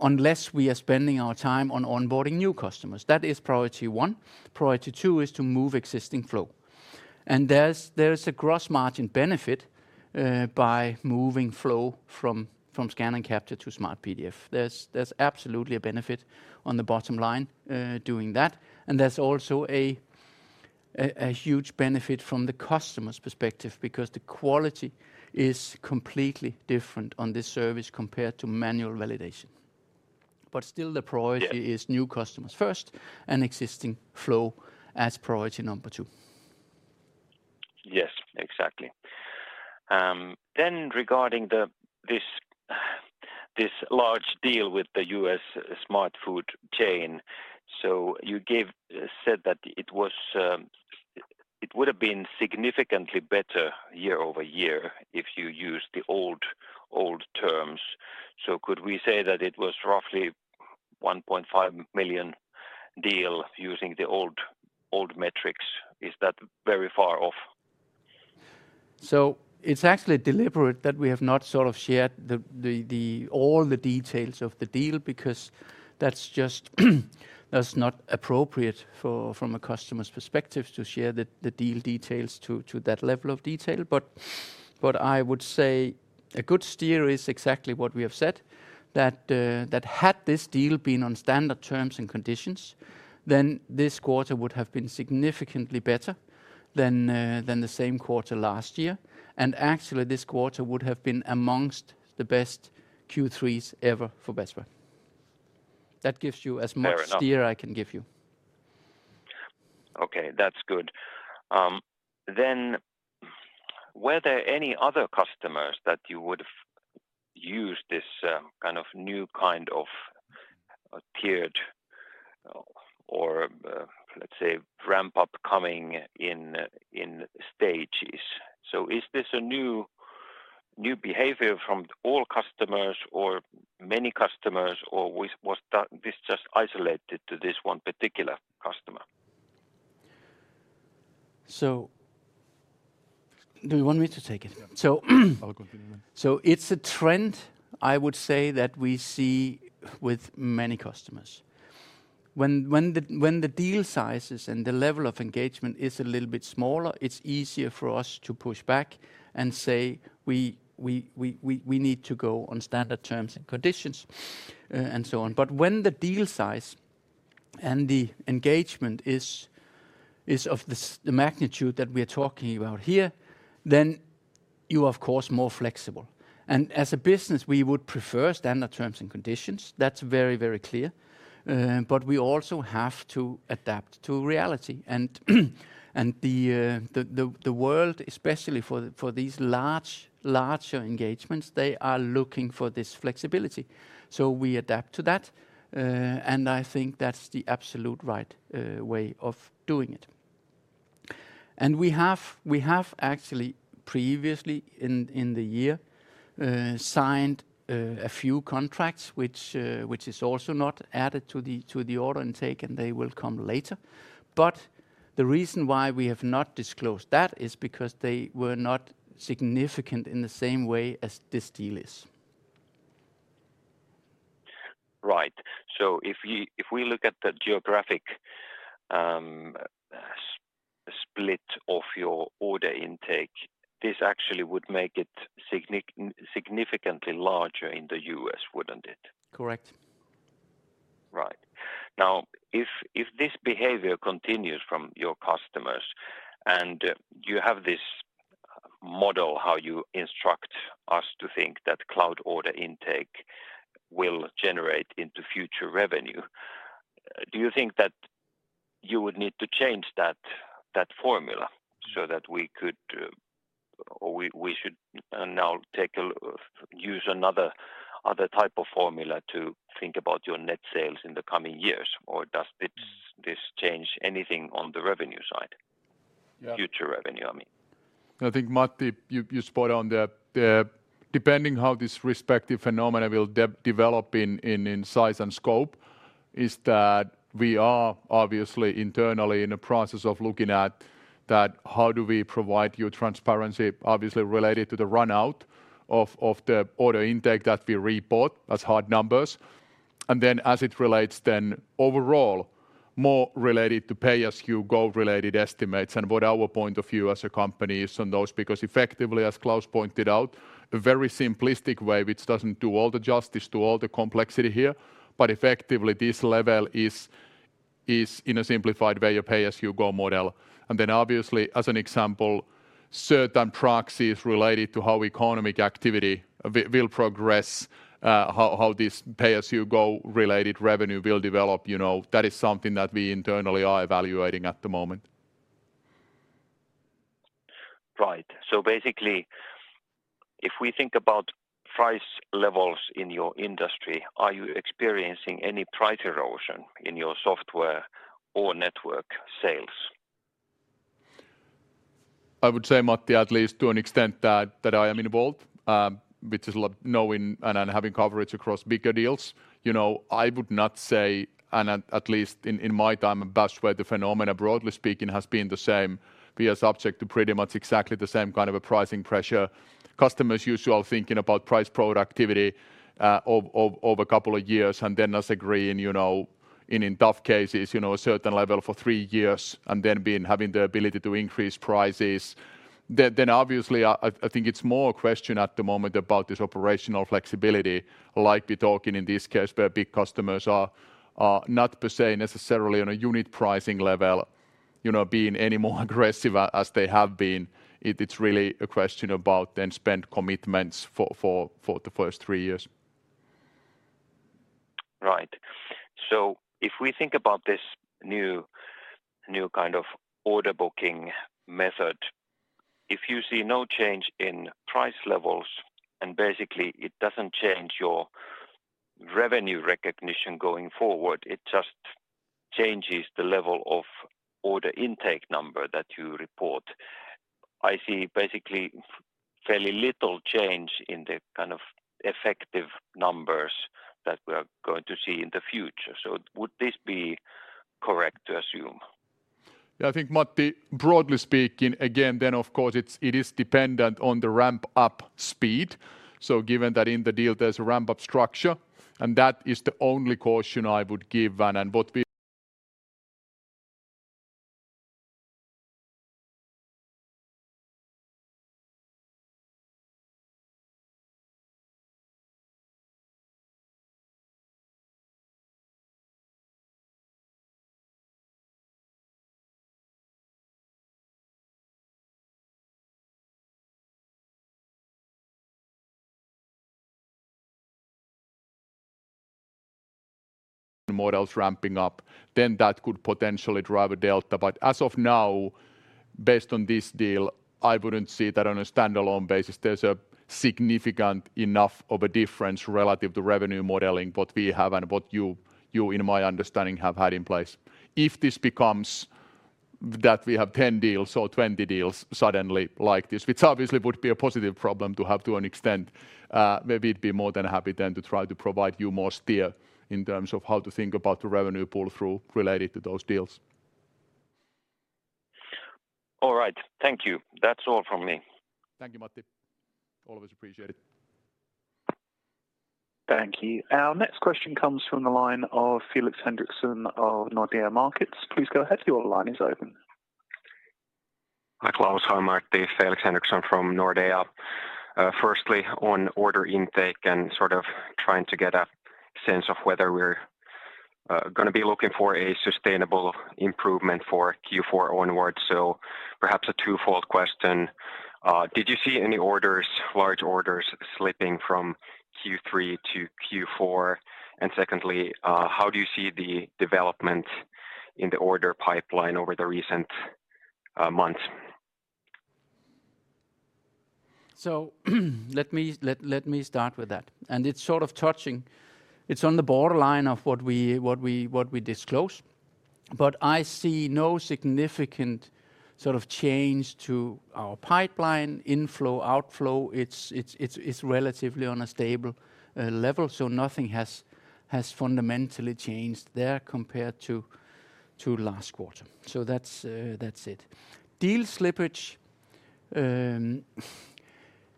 [SPEAKER 2] unless we are spending our time on onboarding new customers. That is priority one. Priority two is to move existing flow. There is a gross margin benefit by moving flow from scan and capture to Basware SmartPDF. There's absolutely a benefit on the bottom line doing that, and there's also a huge benefit from the customer's perspective because the quality is completely different on this service compared to manual validation.
[SPEAKER 6] Yeah
[SPEAKER 2] is new customers first and existing flow as priority number two.
[SPEAKER 6] Yes, exactly. Regarding this large deal with the U.S. smart food chain. You said that it would've been significantly better year-over-year if you used the old terms. Could we say that it was roughly 1.5 million deal using the old metrics? Is that very far off?
[SPEAKER 2] It's actually deliberate that we have not sort of shared all the details of the deal because that's not appropriate from a customer's perspective to share the deal details to that level of detail. I would say a good steer is exactly what we have said, that had this deal been on standard terms and conditions, then this quarter would have been significantly better than the same quarter last year. Actually, this quarter would have been amongst the best Q3s ever for Basware.
[SPEAKER 6] Fair enough.
[SPEAKER 2] steer I can give you.
[SPEAKER 6] Okay. That's good. Were there any other customers that you would've used this kind of new kind of tiered or, let's say, ramp-up coming in stages? Is this a new behavior from all customers or many customers, or was that this just isolated to this one particular customer?
[SPEAKER 2] Do you want me to take it?
[SPEAKER 3] Yeah. I'll continue then.
[SPEAKER 2] It's a trend, I would say, that we see with many customers. When the deal sizes and the level of engagement is a little bit smaller, it's easier for us to push back and say, "We need to go on standard terms and conditions," and so on. When the deal size and the engagement is of the magnitude that we are talking about here, then you of course more flexible. As a business, we would prefer standard terms and conditions. That's very clear. We also have to adapt to reality. The world, especially for these larger engagements, they are looking for this flexibility. We adapt to that. I think that's the absolute right way of doing it. We have actually previously in the year, signed a few contracts, which is also not added to the order intake, and they will come later. The reason why we have not disclosed that is because they were not significant in the same way as this deal is.
[SPEAKER 6] Right. If we look at the geographic split of your order intake, this actually would make it significantly larger in the U.S., wouldn't it?
[SPEAKER 2] Correct.
[SPEAKER 6] Right. If this behavior continues from your customers and you have this model, how you instruct us to think that cloud order intake will generate into future revenue, do you think that you would need to change that formula so that we should now use another type of formula to think about your net sales in the coming years? Does this change anything on the revenue side?
[SPEAKER 3] Yeah.
[SPEAKER 6] Future revenue, I mean.
[SPEAKER 3] I think, Matti, you spot on the depending how this respective phenomena will develop in size and scope, is that we are obviously internally in a process of looking at that how do we provide you transparency, obviously related to the run-out of the order intake that we report as hard numbers. As it relates then overall, more related to pay-as-you-go related estimates and what our point of view as a company is on those. Effectively, as Klaus pointed out, a very simplistic way, which doesn't do all the justice to all the complexity here, but effectively this level is in a simplified way, a pay-as-you-go model. Obviously, as an example, certain proxies related to how economic activity will progress, how this pay-as-you-go related revenue will develop. That is something that we internally are evaluating at the moment.
[SPEAKER 6] Right. Basically, if we think about price levels in your industry, are you experiencing any price erosion in your software or network sales?
[SPEAKER 3] I would say, Matti, at least to an extent that I am involved, which is knowing and having coverage across bigger deals. I would not say, and at least in my time at Basware, the phenomena, broadly speaking, has been the same. We are subject to pretty much exactly the same kind of a pricing pressure. Customers usual thinking about price productivity over a couple of years, and then us agreeing, in tough cases, a certain level for three years, and then having the ability to increase prices. Obviously, I think it's more a question at the moment about this operational flexibility, like we're talking in this case, where big customers are not per se necessarily on a unit pricing level, being any more aggressive as they have been. It's really a question about then spend commitments for the first three years.
[SPEAKER 6] Right. If we think about this new kind of order booking method, if you see no change in price levels, and basically it doesn't change your revenue recognition going forward, it just changes the level of order intake number that you report. I see basically fairly little change in the kind of effective numbers that we are going to see in the future. Would this be correct to assume?
[SPEAKER 3] Yeah, I think, Matti, broadly speaking, again, then of course it is dependent on the ramp-up speed. Given that in the deal there's a ramp-up structure, and that is the only caution I would give and what we Models ramping up, then that could potentially drive a delta. As of now, based on this deal, I wouldn't see that on a standalone basis. There's a significant enough of a difference relative to revenue modeling, what we have and what you, in my understanding, have had in place. If this becomes that we have 10 deals or 20 deals suddenly like this, which obviously would be a positive problem to have to an extent, maybe it'd be more than happy then to try to provide you more steer in terms of how to think about the revenue pull-through related to those deals.
[SPEAKER 6] All right. Thank you. That's all from me.
[SPEAKER 3] Thank you, Matti. Always appreciate it.
[SPEAKER 5] Thank you. Our next question comes from the line of Felix Henriksson of Nordea Markets. Please go ahead. Your line is open.
[SPEAKER 7] Hi, Klaus. Hi, Matti. Felix Henriksson from Nordea. Firstly, on order intake and sort of trying to get a sense of whether we're going to be looking for a sustainable improvement for Q4 onwards, so perhaps a twofold question. Did you see any large orders slipping from Q3-Q4? Secondly, how do you see the development in the order pipeline over the recent months?
[SPEAKER 2] Let me start with that. It's sort of touching. It's on the borderline of what we disclose. I see no significant sort of change to our pipeline inflow, outflow. It's relatively on a stable level, so nothing has fundamentally changed there compared to last quarter. That's it. Deal slippage,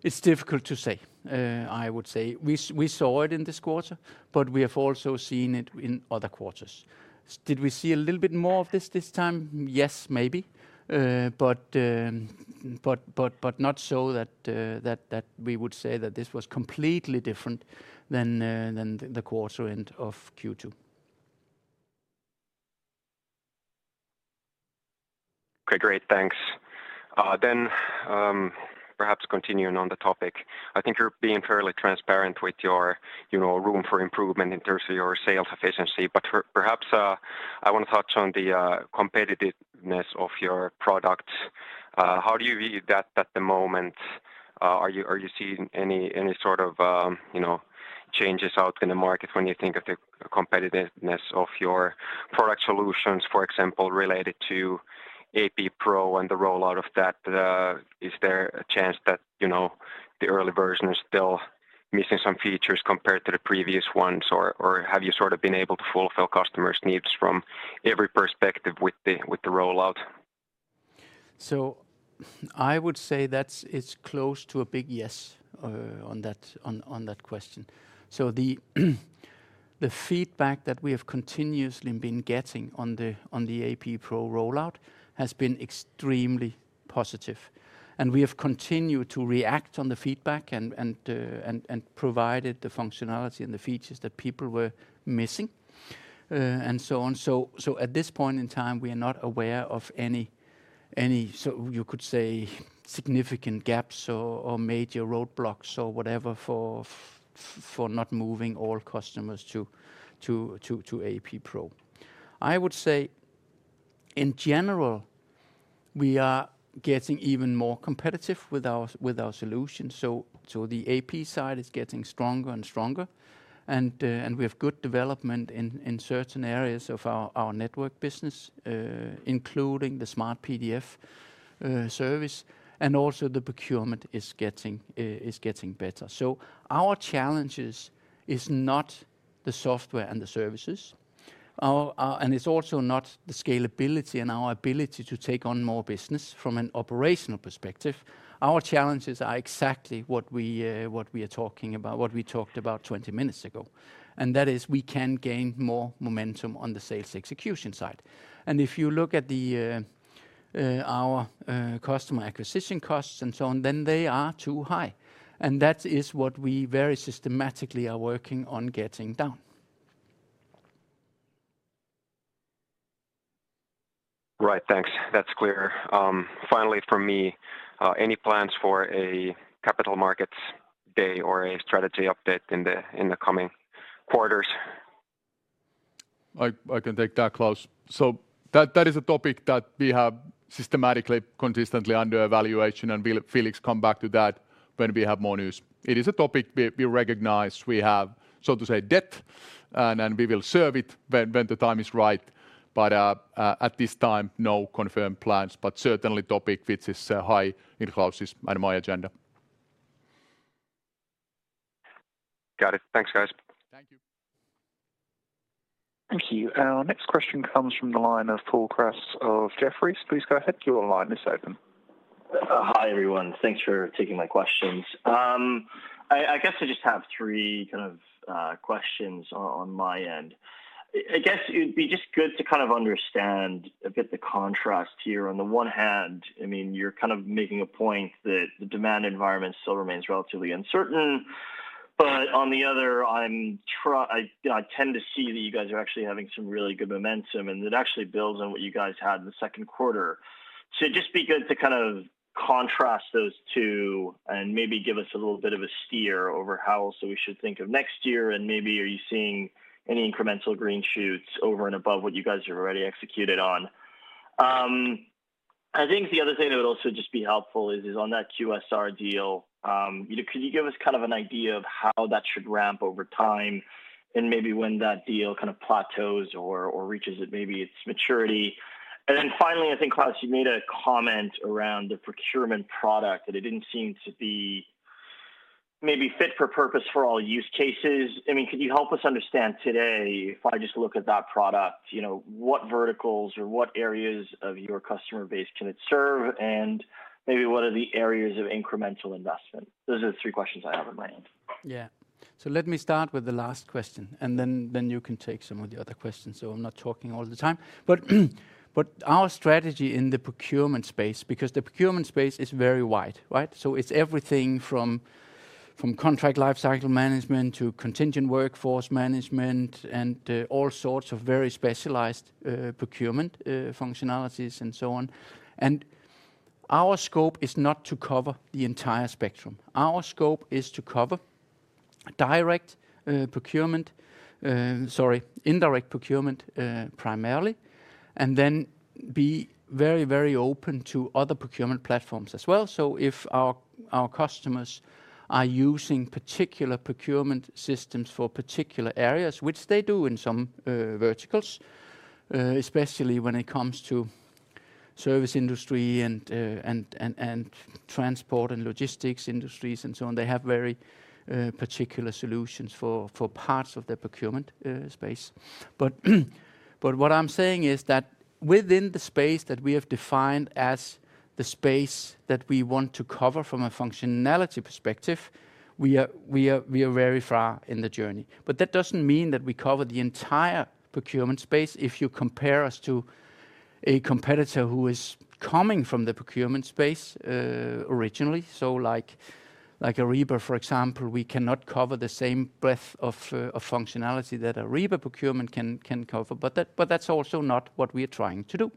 [SPEAKER 2] it's difficult to say. I would say we saw it in this quarter, but we have also seen it in other quarters. Did we see a little bit more of this this time? Yes, maybe. Not so that we would say that this was completely different than the quarter end of Q2.
[SPEAKER 7] Okay, great. Thanks. Perhaps continuing on the topic. I think you're being fairly transparent with your room for improvement in terms of your sales efficiency. Perhaps, I want to touch on the competitiveness of your product. How do you view that at the moment? Are you seeing any sort of changes out in the market when you think of the competitiveness of your product solutions, for example, related to AP Pro and the rollout of that? Is there a chance that the early version is still missing some features compared to the previous ones, or have you been able to fulfill customers' needs from every perspective with the rollout?
[SPEAKER 2] I would say that it's close to a big yes on that question. The feedback that we have continuously been getting on the AP Pro rollout has been extremely positive, and we have continued to react on the feedback and provided the functionality and the features that people were missing, and so on. At this point in time, we are not aware of any, you could say, significant gaps or major roadblocks or whatever for not moving all customers to AP Pro. I would say, in general, we are getting even more competitive with our solutions. The AP side is getting stronger and stronger, and we have good development in certain areas of our network business, including the SmartPDF service. Also the procurement is getting better. Our challenges is not the software and the services, and it's also not the scalability and our ability to take on more business from an operational perspective. Our challenges are exactly what we talked about 20 minutes ago, and that is we can gain more momentum on the sales execution side. If you look at our customer acquisition costs and so on, then they are too high, and that is what we very systematically are working on getting down.
[SPEAKER 7] Right. Thanks. That's clear. Finally from me, any plans for a capital markets day or a strategy update in the coming quarters?
[SPEAKER 3] I can take that, Klaus. That is a topic that we have systematically, consistently under evaluation, and Felix come back to that when we have more news. It is a topic we recognize we have, so to say, debt, and we will serve it when the time is right. At this time, no confirmed plans, but certainly topic which is high in Klaus' and my agenda.
[SPEAKER 7] Got it. Thanks, guys.
[SPEAKER 3] Thank you.
[SPEAKER 5] Thank you. Our next question comes from the line of Paul Kratz of Jefferies. Please go ahead. Your line is open.
[SPEAKER 8] Hi, everyone. Thanks for taking my questions. I guess I just have three questions on my end. I guess it'd be just good to understand a bit the contrast here. On the one hand, you're making a point that the demand environment still remains relatively uncertain. On the other, I tend to see that you guys are actually having some really good momentum, and it actually builds on what you guys had in the Q2. It'd just be good to contrast those two and maybe give us a little bit of a steer over how also we should think of next year, and maybe are you seeing any incremental green shoots over and above what you guys have already executed on? I think the other thing that would also just be helpful is on that QSR deal. Could you give us an idea of how that should ramp over time and maybe when that deal plateaus or reaches maybe its maturity? Finally, I think, Klaus, you made a comment around the Procurement Product, that it didn't seem to be maybe fit for purpose for all use cases. Could you help us understand today, if I just look at that product, what verticals or what areas of your customer base can it serve, and maybe what are the areas of incremental investment? Those are the three questions I have on my end.
[SPEAKER 2] Yeah. Let me start with the last question, and then you can take some of the other questions so I'm not talking all the time. Our strategy in the procurement space, because the procurement space is very wide, right? It's everything from contract lifecycle management to contingent workforce management and all sorts of very specialized procurement functionalities and so on. Our scope is not to cover the entire spectrum. Our scope is to cover direct procurement, sorry, indirect procurement primarily, and then be very open to other procurement platforms as well. If our customers are using particular procurement systems for particular areas, which they do in some verticals, especially when it comes to service industry and transport and logistics industries and so on, they have very particular solutions for parts of their procurement space. What I'm saying is that within the space that we have defined as the space that we want to cover from a functionality perspective, we are very far in the journey. That doesn't mean that we cover the entire procurement space if you compare us to a competitor who is coming from the procurement space originally. Like Ariba, for example, we cannot cover the same breadth of functionality that Ariba procurement can cover. That's also not what we are trying to do.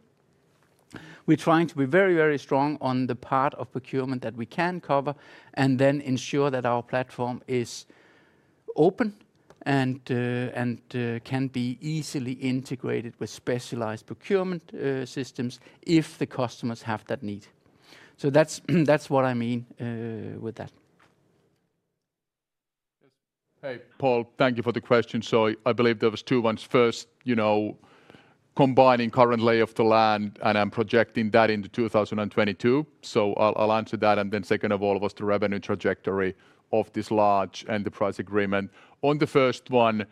[SPEAKER 2] We're trying to be very strong on the part of procurement that we can cover and then ensure that our platform is open and can be easily integrated with specialized procurement systems if the customers have that need. That's what I mean with that.
[SPEAKER 3] Yes. Hey, Paul. Thank you for the question. I believe there was two ones. First, combining current lay of the land and I'm projecting that into 2022. I'll answer that, and then second of all was the revenue trajectory of this large enterprise agreement. On the first one,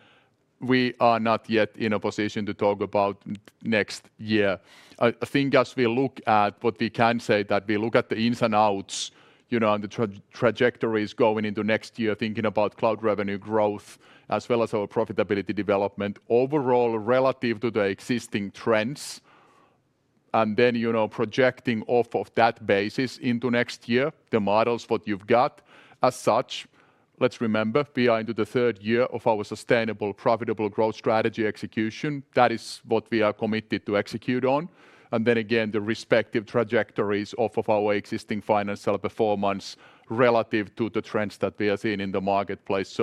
[SPEAKER 3] we are not yet in a position to talk about next year. I think as we look at what we can say, that we look at the ins and outs, and the trajectories going into next year, thinking about cloud revenue growth, as well as our profitability development overall relative to the existing trends. Projecting off of that basis into next year, the models, what you've got. As such, let's remember, we are into the third year of our sustainable profitable growth strategy execution. That is what we are committed to execute on. The respective trajectories off of our existing financial performance relative to the trends that we are seeing in the marketplace.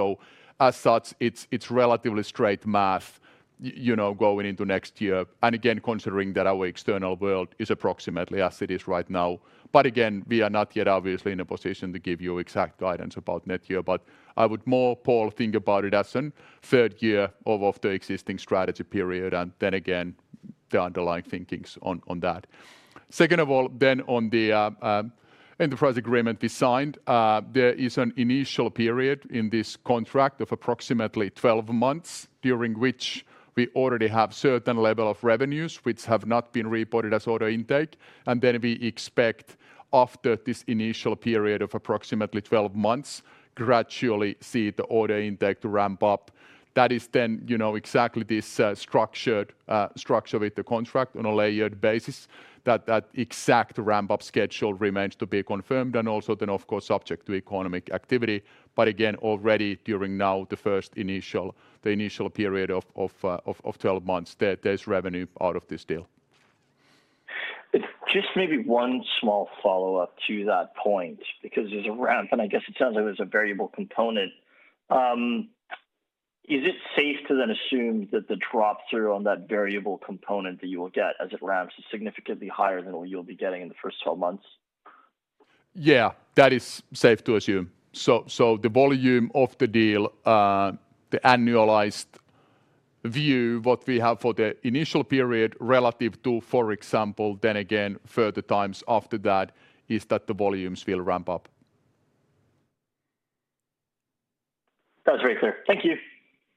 [SPEAKER 3] As such, it's relatively straight math, going into next year. Again, considering that our external world is approximately as it is right now. Again, we are not yet obviously in a position to give you exact guidance about next year. I would more, Paul, think about it as in third year of the existing strategy period, and then again, the underlying thinkings on that. On the enterprise agreement we signed, there is an initial period in this contract of approximately 12 months, during which we already have certain level of revenues which have not been reported as order intake. We expect after this initial period of approximately 12 months, gradually see the order intake ramp up. That is then exactly this structure with the contract on a layered basis, that exact ramp-up schedule remains to be confirmed. Also then, of course, subject to economic activity. Again, already during now the first initial period of 12 months, there's revenue out of this deal.
[SPEAKER 8] Just maybe one small follow-up to that point, because there's a ramp and I guess it sounds like there's a variable component. Is it safe to then assume that the drop-through on that variable component that you will get as it ramps is significantly higher than what you'll be getting in the first 12 months?
[SPEAKER 3] Yeah. That is safe to assume. The volume of the deal, the annualized view, what we have for the initial period relative to, for example, then again, further times after that, is that the volumes will ramp up.
[SPEAKER 8] That was very clear. Thank you.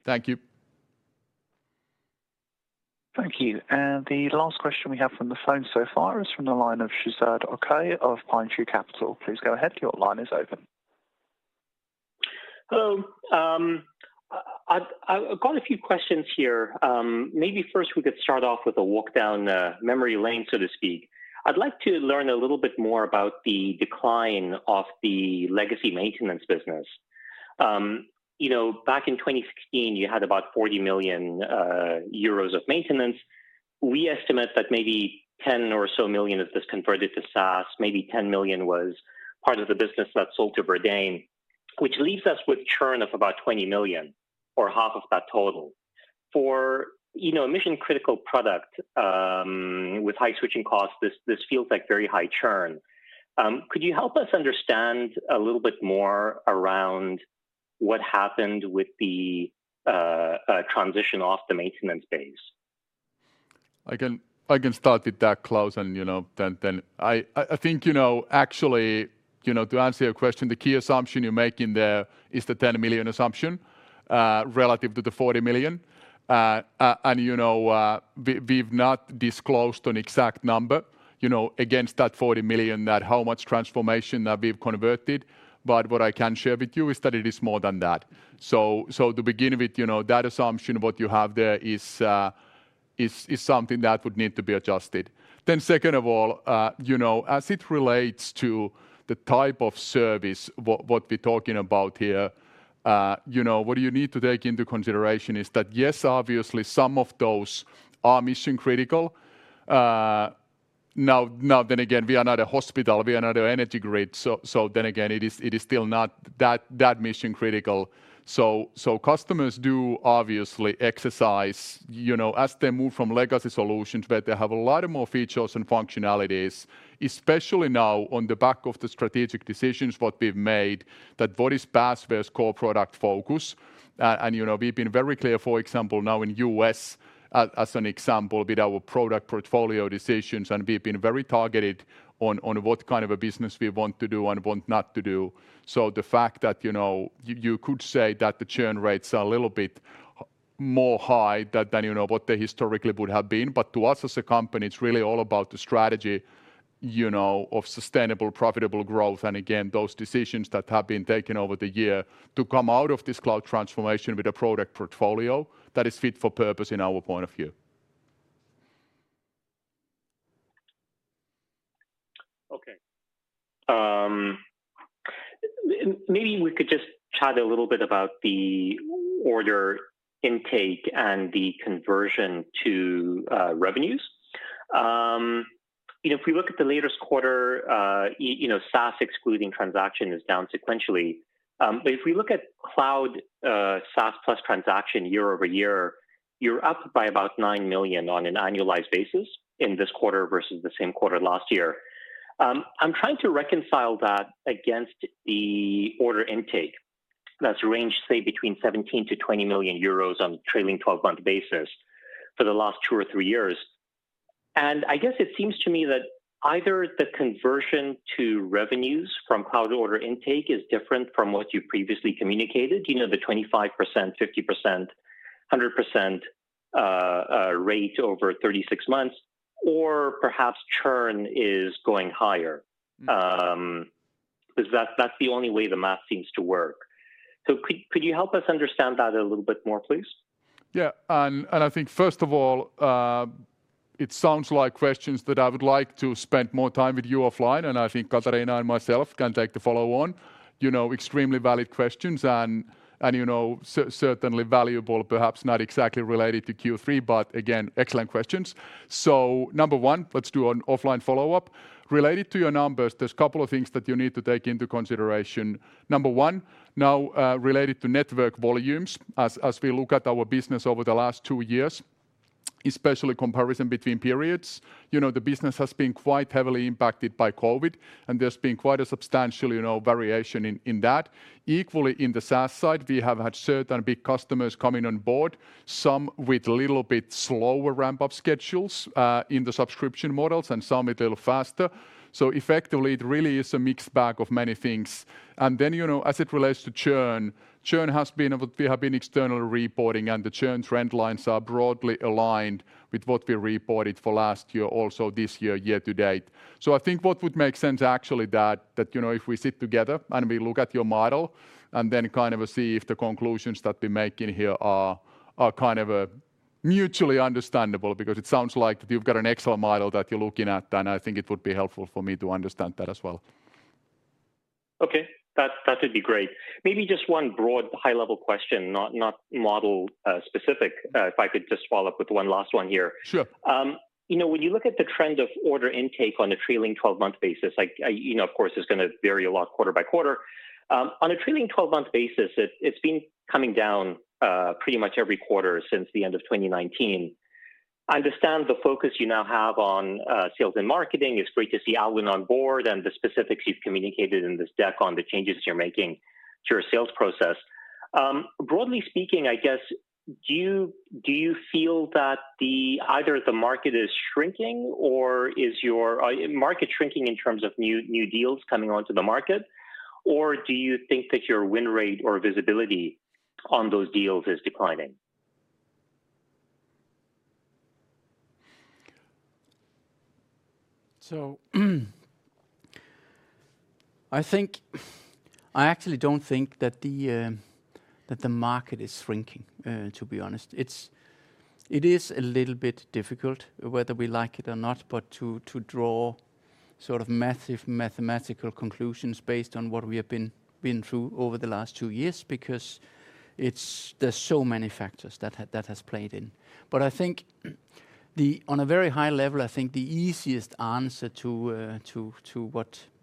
[SPEAKER 3] Thank you.
[SPEAKER 5] Thank you. The last question we have from the phone so far is from the line of Shezad Okhai of Pinetree Capital. Please go ahead, your line is open.
[SPEAKER 9] Hello. I've got a few questions here. Maybe first we could start off with a walk down memory lane, so to speak. I'd like to learn a little bit more about the decline of the legacy maintenance business. Back in 2016, you had about 40 million euros of maintenance. We estimate that maybe 10 million or so of this converted to SaaS, maybe 10 million was part of the business that sold to Verdane, which leaves us with churn of about 20 million or half of that total. For a mission-critical product with high switching costs, this feels like very high churn. Could you help us understand a little bit more around what happened with the transition off the maintenance base?
[SPEAKER 3] I can start with that, Klaus. I think actually, to answer your question, the key assumption you're making there is the 10 million assumption, relative to the 40 million. We've not disclosed an exact number against that 40 million, that how much transformation that we've converted. What I can share with you is that it is more than that. To begin with, that assumption, what you have there is something that would need to be adjusted. Second of all, as it relates to the type of service, what we're talking about here, what you need to take into consideration is that yes, obviously some of those are mission-critical. We are not a hospital, we are not an energy grid. It is still not that mission-critical. Customers do obviously exercise, as they move from legacy solutions, but they have a lot of more features and functionalities, especially now on the back of the strategic decisions what we've made, that what is Basware's core product focus. We've been very clear, for example, now in U.S., as an example, with our product portfolio decisions, and we've been very targeted on what kind of a business we want to do and want not to do. The fact that you could say that the churn rates are a little bit more high than what they historically would have been. To us as a company, it's really all about the strategy of sustainable profitable growth, and again, those decisions that have been taken over the year to come out of this cloud transformation with a product portfolio that is fit for purpose in our point of view.
[SPEAKER 9] Okay. Maybe we could just chat a little bit about the order intake and the conversion to revenues. If we look at the latest quarter, SaaS excluding transaction is down sequentially. If we look at cloud SaaS plus transaction year-over-year, you're up by about 9 million on an annualized basis in this quarter versus the same quarter last year. I'm trying to reconcile that against the order intake that's ranged, say, between 17 million-20 million euros on a trailing 12-month basis for the last two or three years. I guess it seems to me that either the conversion to revenues from cloud order intake is different from what you previously communicated. Do you know the 25%, 50%, 100% rate over 36 months? Perhaps churn is going higher. That's the only way the math seems to work. Could you help us understand that a little bit more, please?
[SPEAKER 3] Yeah. I think first of all, it sounds like questions that I would like to spend more time with you offline, and I think Katariina and myself can take the follow on. Extremely valid questions and certainly valuable, perhaps not exactly related to Q3. Again, excellent questions. Number one, let's do an offline follow-up. Related to your numbers, there's a couple of things that you need to take into consideration. Number one, now related to network volumes, as we look at our business over the last two years, especially comparison between periods, the business has been quite heavily impacted by COVID and there's been quite a substantial variation in that. Equally in the SaaS side, we have had certain big customers coming on board, some with a little bit slower ramp-up schedules in the subscription models and some a little faster. Effectively, it really is a mixed bag of many things. Then, as it relates to churn, we have been external reporting, and the churn trend lines are broadly aligned with what we reported for last year, also this year to date. I think what would make sense actually that if we sit together and we look at your model and then kind of see if the conclusions that we're making here are kind of mutually understandable. It sounds like you've got an excellent model that you're looking at, and I think it would be helpful for me to understand that as well.
[SPEAKER 9] Okay. That would be great. Maybe just one broad high-level question, not model specific, if I could just follow up with one last one here.
[SPEAKER 3] Sure.
[SPEAKER 9] When you look at the trend of order intake on a trailing 12-month basis, of course, it's going to vary a lot quarter by quarter. On a trailing 12-month basis, it's been coming down pretty much every quarter since the end of 2019. I understand the focus you now have on sales and marketing. It's great to see Alwin on board and the specifics you've communicated in this deck on the changes you're making to your sales process. Broadly speaking, I guess, do you feel that either the market is shrinking, or is your market shrinking in terms of new deals coming onto the market? Or do you think that your win rate or visibility on those deals is declining?
[SPEAKER 2] I actually don't think that the market is shrinking, to be honest. It is a little bit difficult, whether we like it or not, but to draw sort of massive mathematical conclusions based on what we have been through over the last two years, because there's so many factors that has played in. I think on a very high level, I think the easiest answer to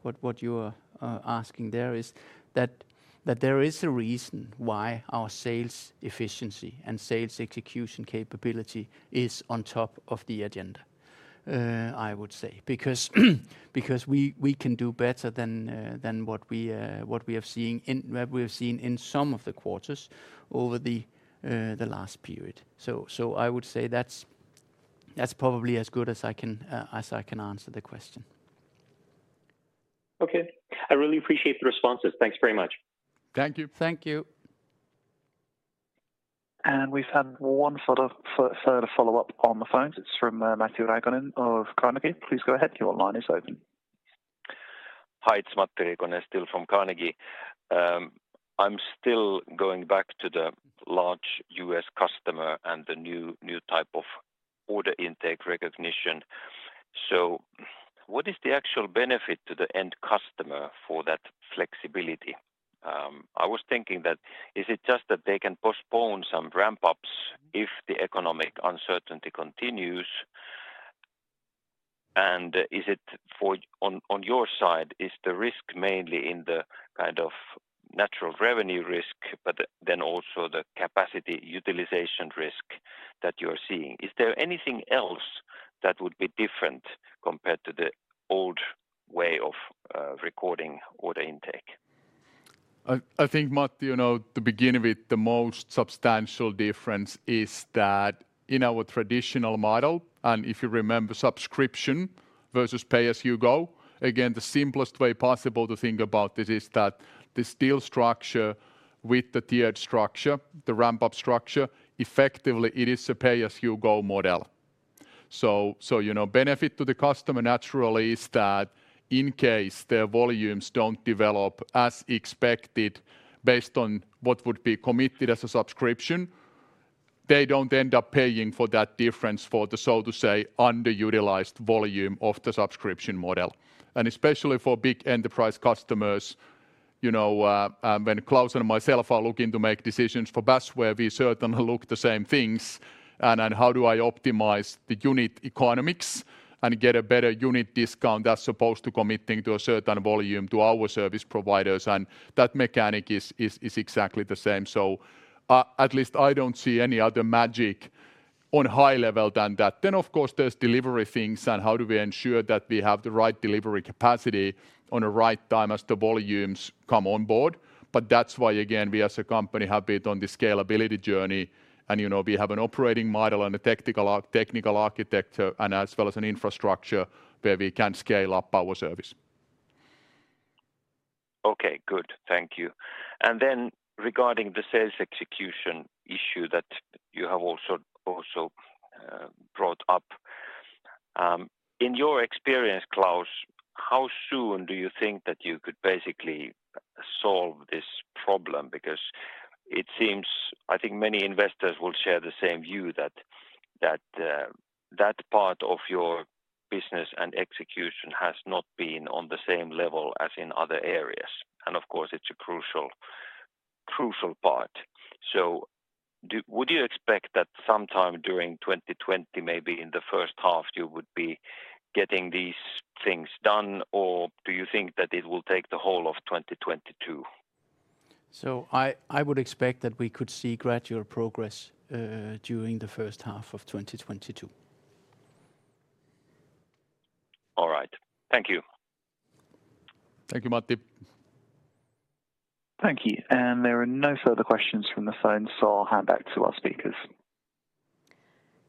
[SPEAKER 2] what you are asking there is that there is a reason why our sales efficiency and sales execution capability is on top of the agenda, I would say. We can do better than what we have seen in some of the quarters over the last period. I would say that's probably as good as I can answer the question.
[SPEAKER 9] Okay. I really appreciate the responses. Thanks very much.
[SPEAKER 3] Thank you.
[SPEAKER 2] Thank you.
[SPEAKER 5] We've had one sort of further follow-up on the phones. It's from Matti Riikonen of Carnegie. Please go ahead. Your line is open.
[SPEAKER 6] Hi, it's Matti Riikonen still from Carnegie. I'm still going back to the large U.S. customer and the new type of order intake recognition. What is the actual benefit to the end customer for that flexibility? I was thinking that is it just that they can postpone some ramp-ups if the economic uncertainty continues? On your side, is the risk mainly in the kind of natural revenue risk, but then also the capacity utilization risk that you're seeing? Is there anything else that would be different compared to the old way of recording order intake?
[SPEAKER 3] I think, Matti, to begin with, the most substantial difference is that in our traditional model, and if you remember, subscription versus pay-as-you-go, again, the simplest way possible to think about this is that this deal structure with the tiered structure, the ramp-up structure, effectively it is a pay-as-you-go model. Benefit to the customer naturally is that in case their volumes don't develop as expected based on what would be committed as a subscription, they don't end up paying for that difference for the, so to say, underutilized volume of the subscription model. Especially for big enterprise customers, when Klaus and myself are looking to make decisions for Basware, we certainly look the same things. How do I optimize the unit economics and get a better unit discount as opposed to committing to a certain volume to our service providers? At least I don't see any other magic on high level than that. Of course, there's delivery things and how do we ensure that we have the right delivery capacity on the right time as the volumes come on board. That's why, again, we as a company have been on the scalability journey, and we have an operating model and a technical architecture, and as well as an infrastructure where we can scale up our service.
[SPEAKER 6] Okay, good. Thank you. Regarding the sales execution issue that you have also brought up. In your experience, Klaus, how soon do you think that you could basically solve this problem? It seems, I think many investors will share the same view that that part of your business and execution has not been on the same level as in other areas. Of course, it's a crucial part. Would you expect that sometime during 2020, maybe in the H1, you would be getting these things done? Do you think that it will take the whole of 2022?
[SPEAKER 2] I would expect that we could see gradual progress during the H1 of 2022.
[SPEAKER 6] All right. Thank you.
[SPEAKER 3] Thank you, Matti.
[SPEAKER 5] Thank you. There are no further questions from the phone, so I'll hand back to our speakers.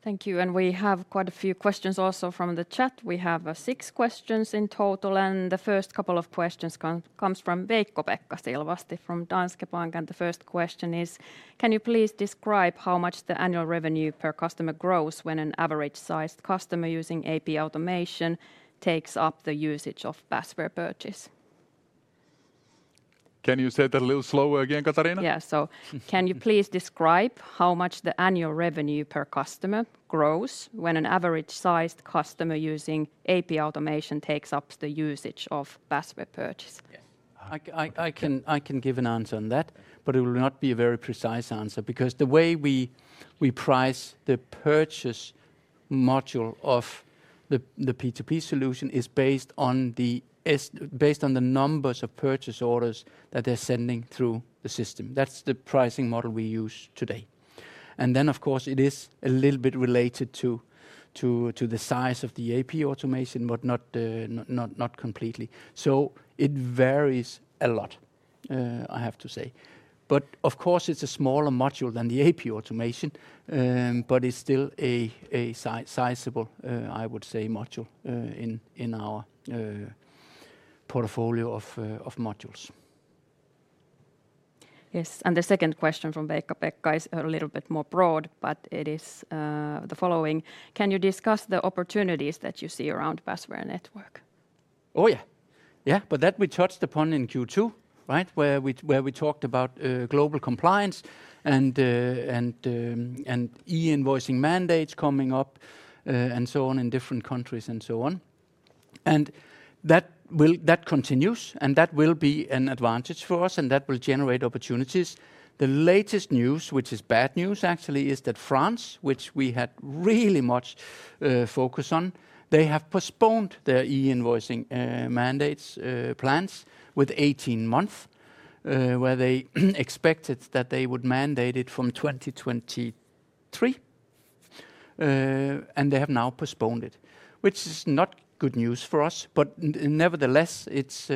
[SPEAKER 1] Thank you. We have quite a few questions also from the chat. We have six questions in total. The first two questions comes from Veikko-Pekka Silvasti from Danske Bank. The first question is: can you please describe how much the annual revenue per customer grows when an average-sized customer using AP automation takes up the usage of Basware Purchase?
[SPEAKER 3] Can you say that a little slower again, Katariina?
[SPEAKER 1] Yeah. Can you please describe how much the annual revenue per customer grows when an average-sized customer using AP automation takes up the usage of Basware Purchase?
[SPEAKER 2] I can give an answer on that, but it will not be a very precise answer because the way we price the purchase module of the P2P solution is based on the numbers of purchase orders that they're sending through the system. That's the pricing model we use today. Of course, it is a little bit related to the size of the AP automation, but not completely. It varies a lot, I have to say. Of course, it's a smaller module than the AP automation, but it's still a sizable, I would say, module in our portfolio of modules.
[SPEAKER 1] Yes. The second question from Veikko-Pekka is a little bit more broad, but it is the following: can you discuss the opportunities that you see around Basware Network?
[SPEAKER 2] Oh, yeah. That we touched upon in Q2, right? Where we talked about global compliance and e-invoicing mandates coming up and so on in different countries and so on. That continues, and that will be an advantage for us, and that will generate opportunities. The latest news, which is bad news actually, is that France, which we had really much focus on, they have postponed their e-invoicing mandates plans with 18 months, where they expected that they would mandate it from 2023. They have now postponed it, which is not good news for us, but nevertheless, it's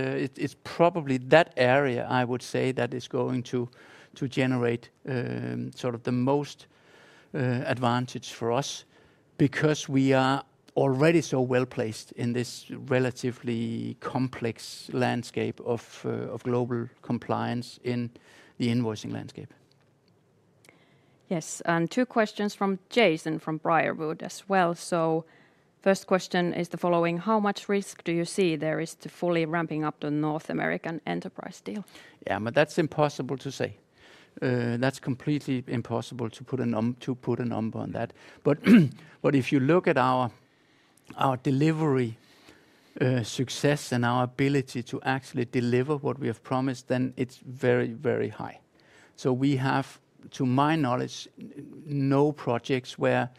[SPEAKER 2] probably that area I would say that is going to generate the most advantage for us because we are already so well-placed in this relatively complex landscape of global compliance in the e-invoicing landscape.
[SPEAKER 1] Yes. Two questions from Jason from Briarwood as well. First question is the following: how much risk do you see there is to fully ramping up the North American enterprise deal?
[SPEAKER 2] That's impossible to say. That's completely impossible to put a number on that. If you look at our delivery success and our ability to actually deliver what we have promised, then it's very high. We have, to my knowledge, no projects where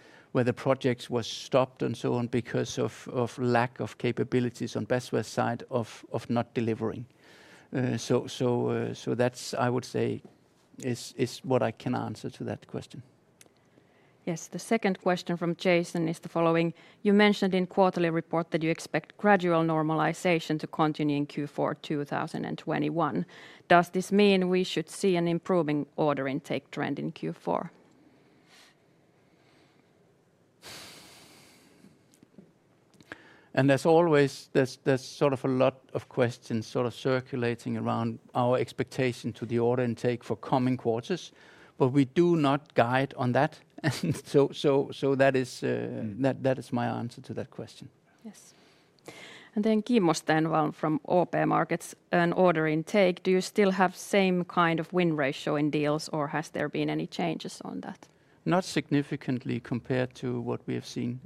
[SPEAKER 2] the projects were stopped and so on because of lack of capabilities on Basware side of not delivering. That's, I would say, is what I can answer to that question.
[SPEAKER 1] Yes. The second question from Jason is the following: you mentioned in quarterly report that you expect gradual normalization to continue in Q4 2021. Does this mean we should see an improving order intake trend in Q4?
[SPEAKER 2] There's always a lot of questions circulating around our expectation to the order intake for coming quarters. We do not guide on that. That is my answer to that question.
[SPEAKER 1] Yes. Then Kimmo Stenvall from OP Markets. On order intake, do you still have same kind of win ratio in deals, or has there been any changes on that?
[SPEAKER 2] Not significantly compared to what we have seen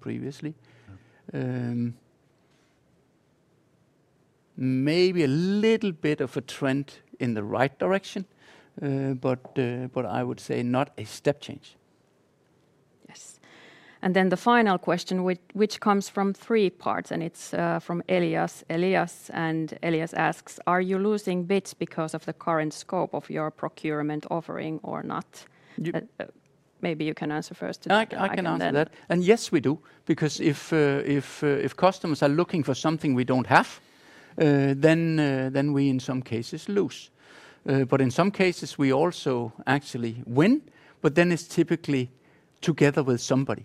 [SPEAKER 2] previously. Maybe a little bit of a trend in the right direction, but I would say not a step change.
[SPEAKER 1] Yes. The final question, which comes from three parts, and it's from Elias. Elias asks, "Are you losing bids because of the current scope of your procurement offering or not?" Maybe you can answer first.
[SPEAKER 2] I can answer that. Yes, we do, because if customers are looking for something we don't have, then we in some cases lose. In some cases, we also actually win, but then it's typically together with somebody,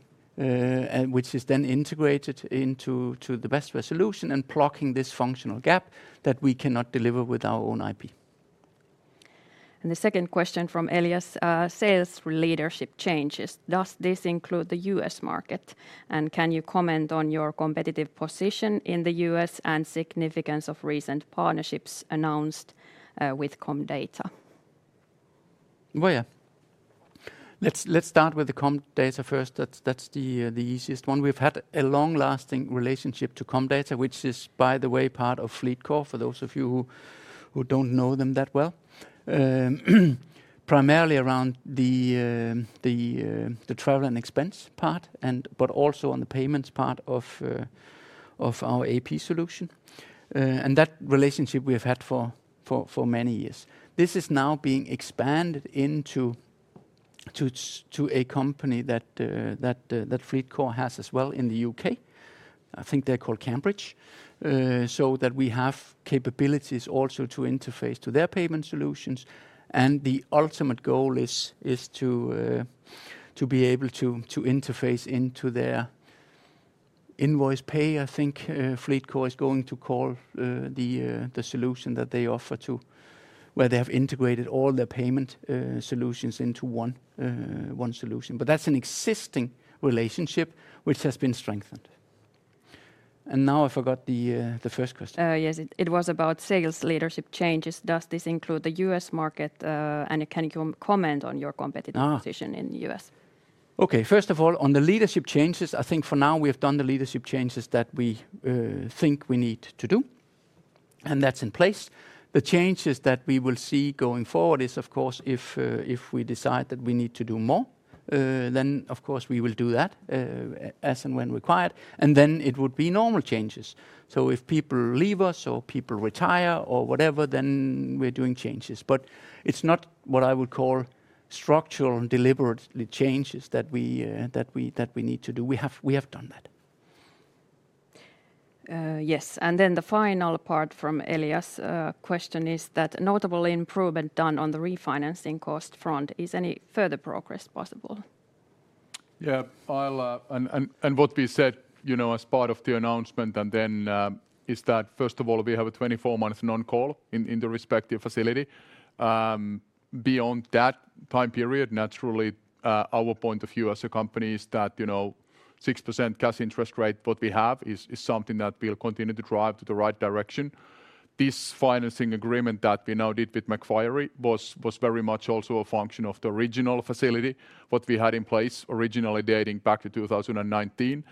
[SPEAKER 2] which is then integrated into the Basware solution and blocking this functional gap that we cannot deliver with our own IP.
[SPEAKER 1] The second question from Elias, sales leadership changes. Does this include the U.S. market? Can you comment on your competitive position in the U.S. and significance of recent partnerships announced with Comdata?
[SPEAKER 2] Let's start with the Comdata first. That's the easiest one. We've had a long-lasting relationship to Comdata, which is, by the way, part of FleetCor, for those of you who don't know them that well. Primarily around the travel and expense part, but also on the payments part of our AP solution. That relationship we have had for many years. This is now being expanded into a company that FleetCor has as well in the U.K. I think they're called Cambridge. That we have capabilities also to interface to their payment solutions, and the ultimate goal is to be able to interface into their InvoicePay, I think FleetCor is going to call the solution that they offer too, where they have integrated all their payment solutions into one solution. That's an existing relationship which has been strengthened. Now I forgot the first question.
[SPEAKER 1] Yes, it was about sales leadership changes. Does this include the U.S. market? Can you comment on your? position in the U.S.?
[SPEAKER 2] Okay. First of all, on the leadership changes, I think for now, we have done the leadership changes that we think we need to do, and that's in place. The changes that we will see going forward is, of course, if we decide that we need to do more, then of course, we will do that as and when required, and then it would be normal changes. If people leave us or people retire or whatever, then we're doing changes. It's not what I would call structural and deliberate changes that we need to do. We have done that.
[SPEAKER 1] Yes. The final part from Elias' question is that notable improvement done on the refinancing cost front, is any further progress possible?
[SPEAKER 3] What we said as part of the announcement and then is that, first of all, we have a 24-month non-call in the respective facility. Beyond that time period, naturally, our point of view as a company is that 6% cash interest rate what we have is something that we'll continue to drive to the right direction. This financing agreement that we now did with Macquarie was very much also a function of the original facility, what we had in place originally dating back to 2019.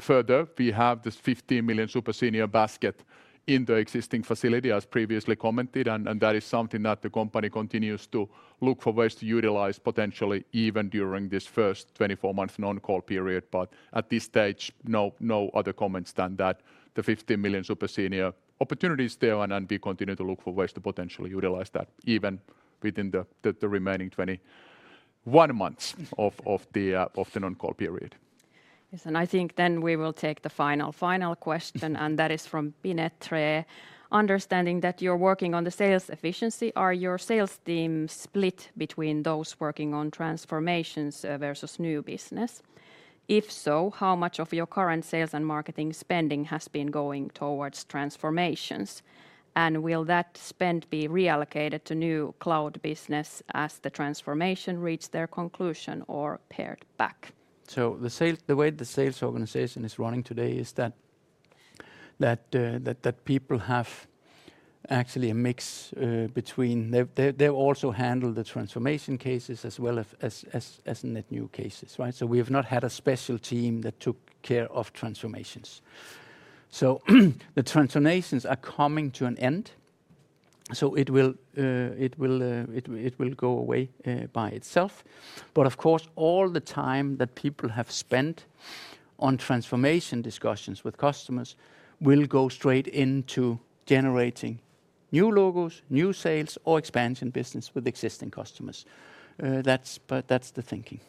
[SPEAKER 3] Further, we have this 15 million super senior basket in the existing facility, as previously commented, and that is something that the company continues to look for ways to utilize, potentially even during this first 24-month non-call period. At this stage, no other comments than that. The 15 million super senior opportunity is there, and we continue to look for ways to potentially utilize that even within the remaining 21 months of the non-call period.
[SPEAKER 1] Yes, and I think then we will take the final question, and that is from Pinetree. Understanding that you're working on the sales efficiency, are your sales teams split between those working on transformations versus new business? If so, how much of your current sales and marketing spending has been going towards transformations? Will that spend be reallocated to new cloud business as the transformation reach their conclusion or pared back?
[SPEAKER 2] The way the sales organization is running today is that people have actually a mix between They also handle the transformation cases as well as net new cases, right? We have not had a special team that took care of transformations. The transformations are coming to an end, so it will go away by itself. Of course, all the time that people have spent on transformation discussions with customers will go straight into generating new logos, new sales, or expansion business with existing customers. That's the thinking.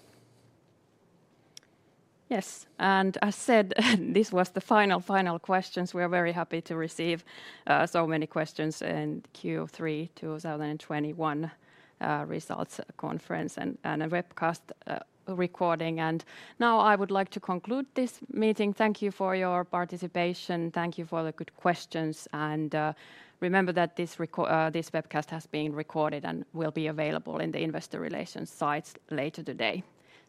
[SPEAKER 1] Yes, as said, this was the final questions. We are very happy to receive so many questions in Q3 2021 results conference and webcast recording. Now I would like to conclude this meeting. Thank you for your participation. Thank you for the good questions. Remember that this webcast has been recorded and will be available in the investor relations sites later today.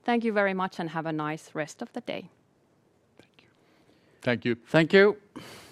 [SPEAKER 1] Thank you very much and have a nice rest of the day.
[SPEAKER 2] Thank you.
[SPEAKER 3] Thank you.
[SPEAKER 2] Thank you.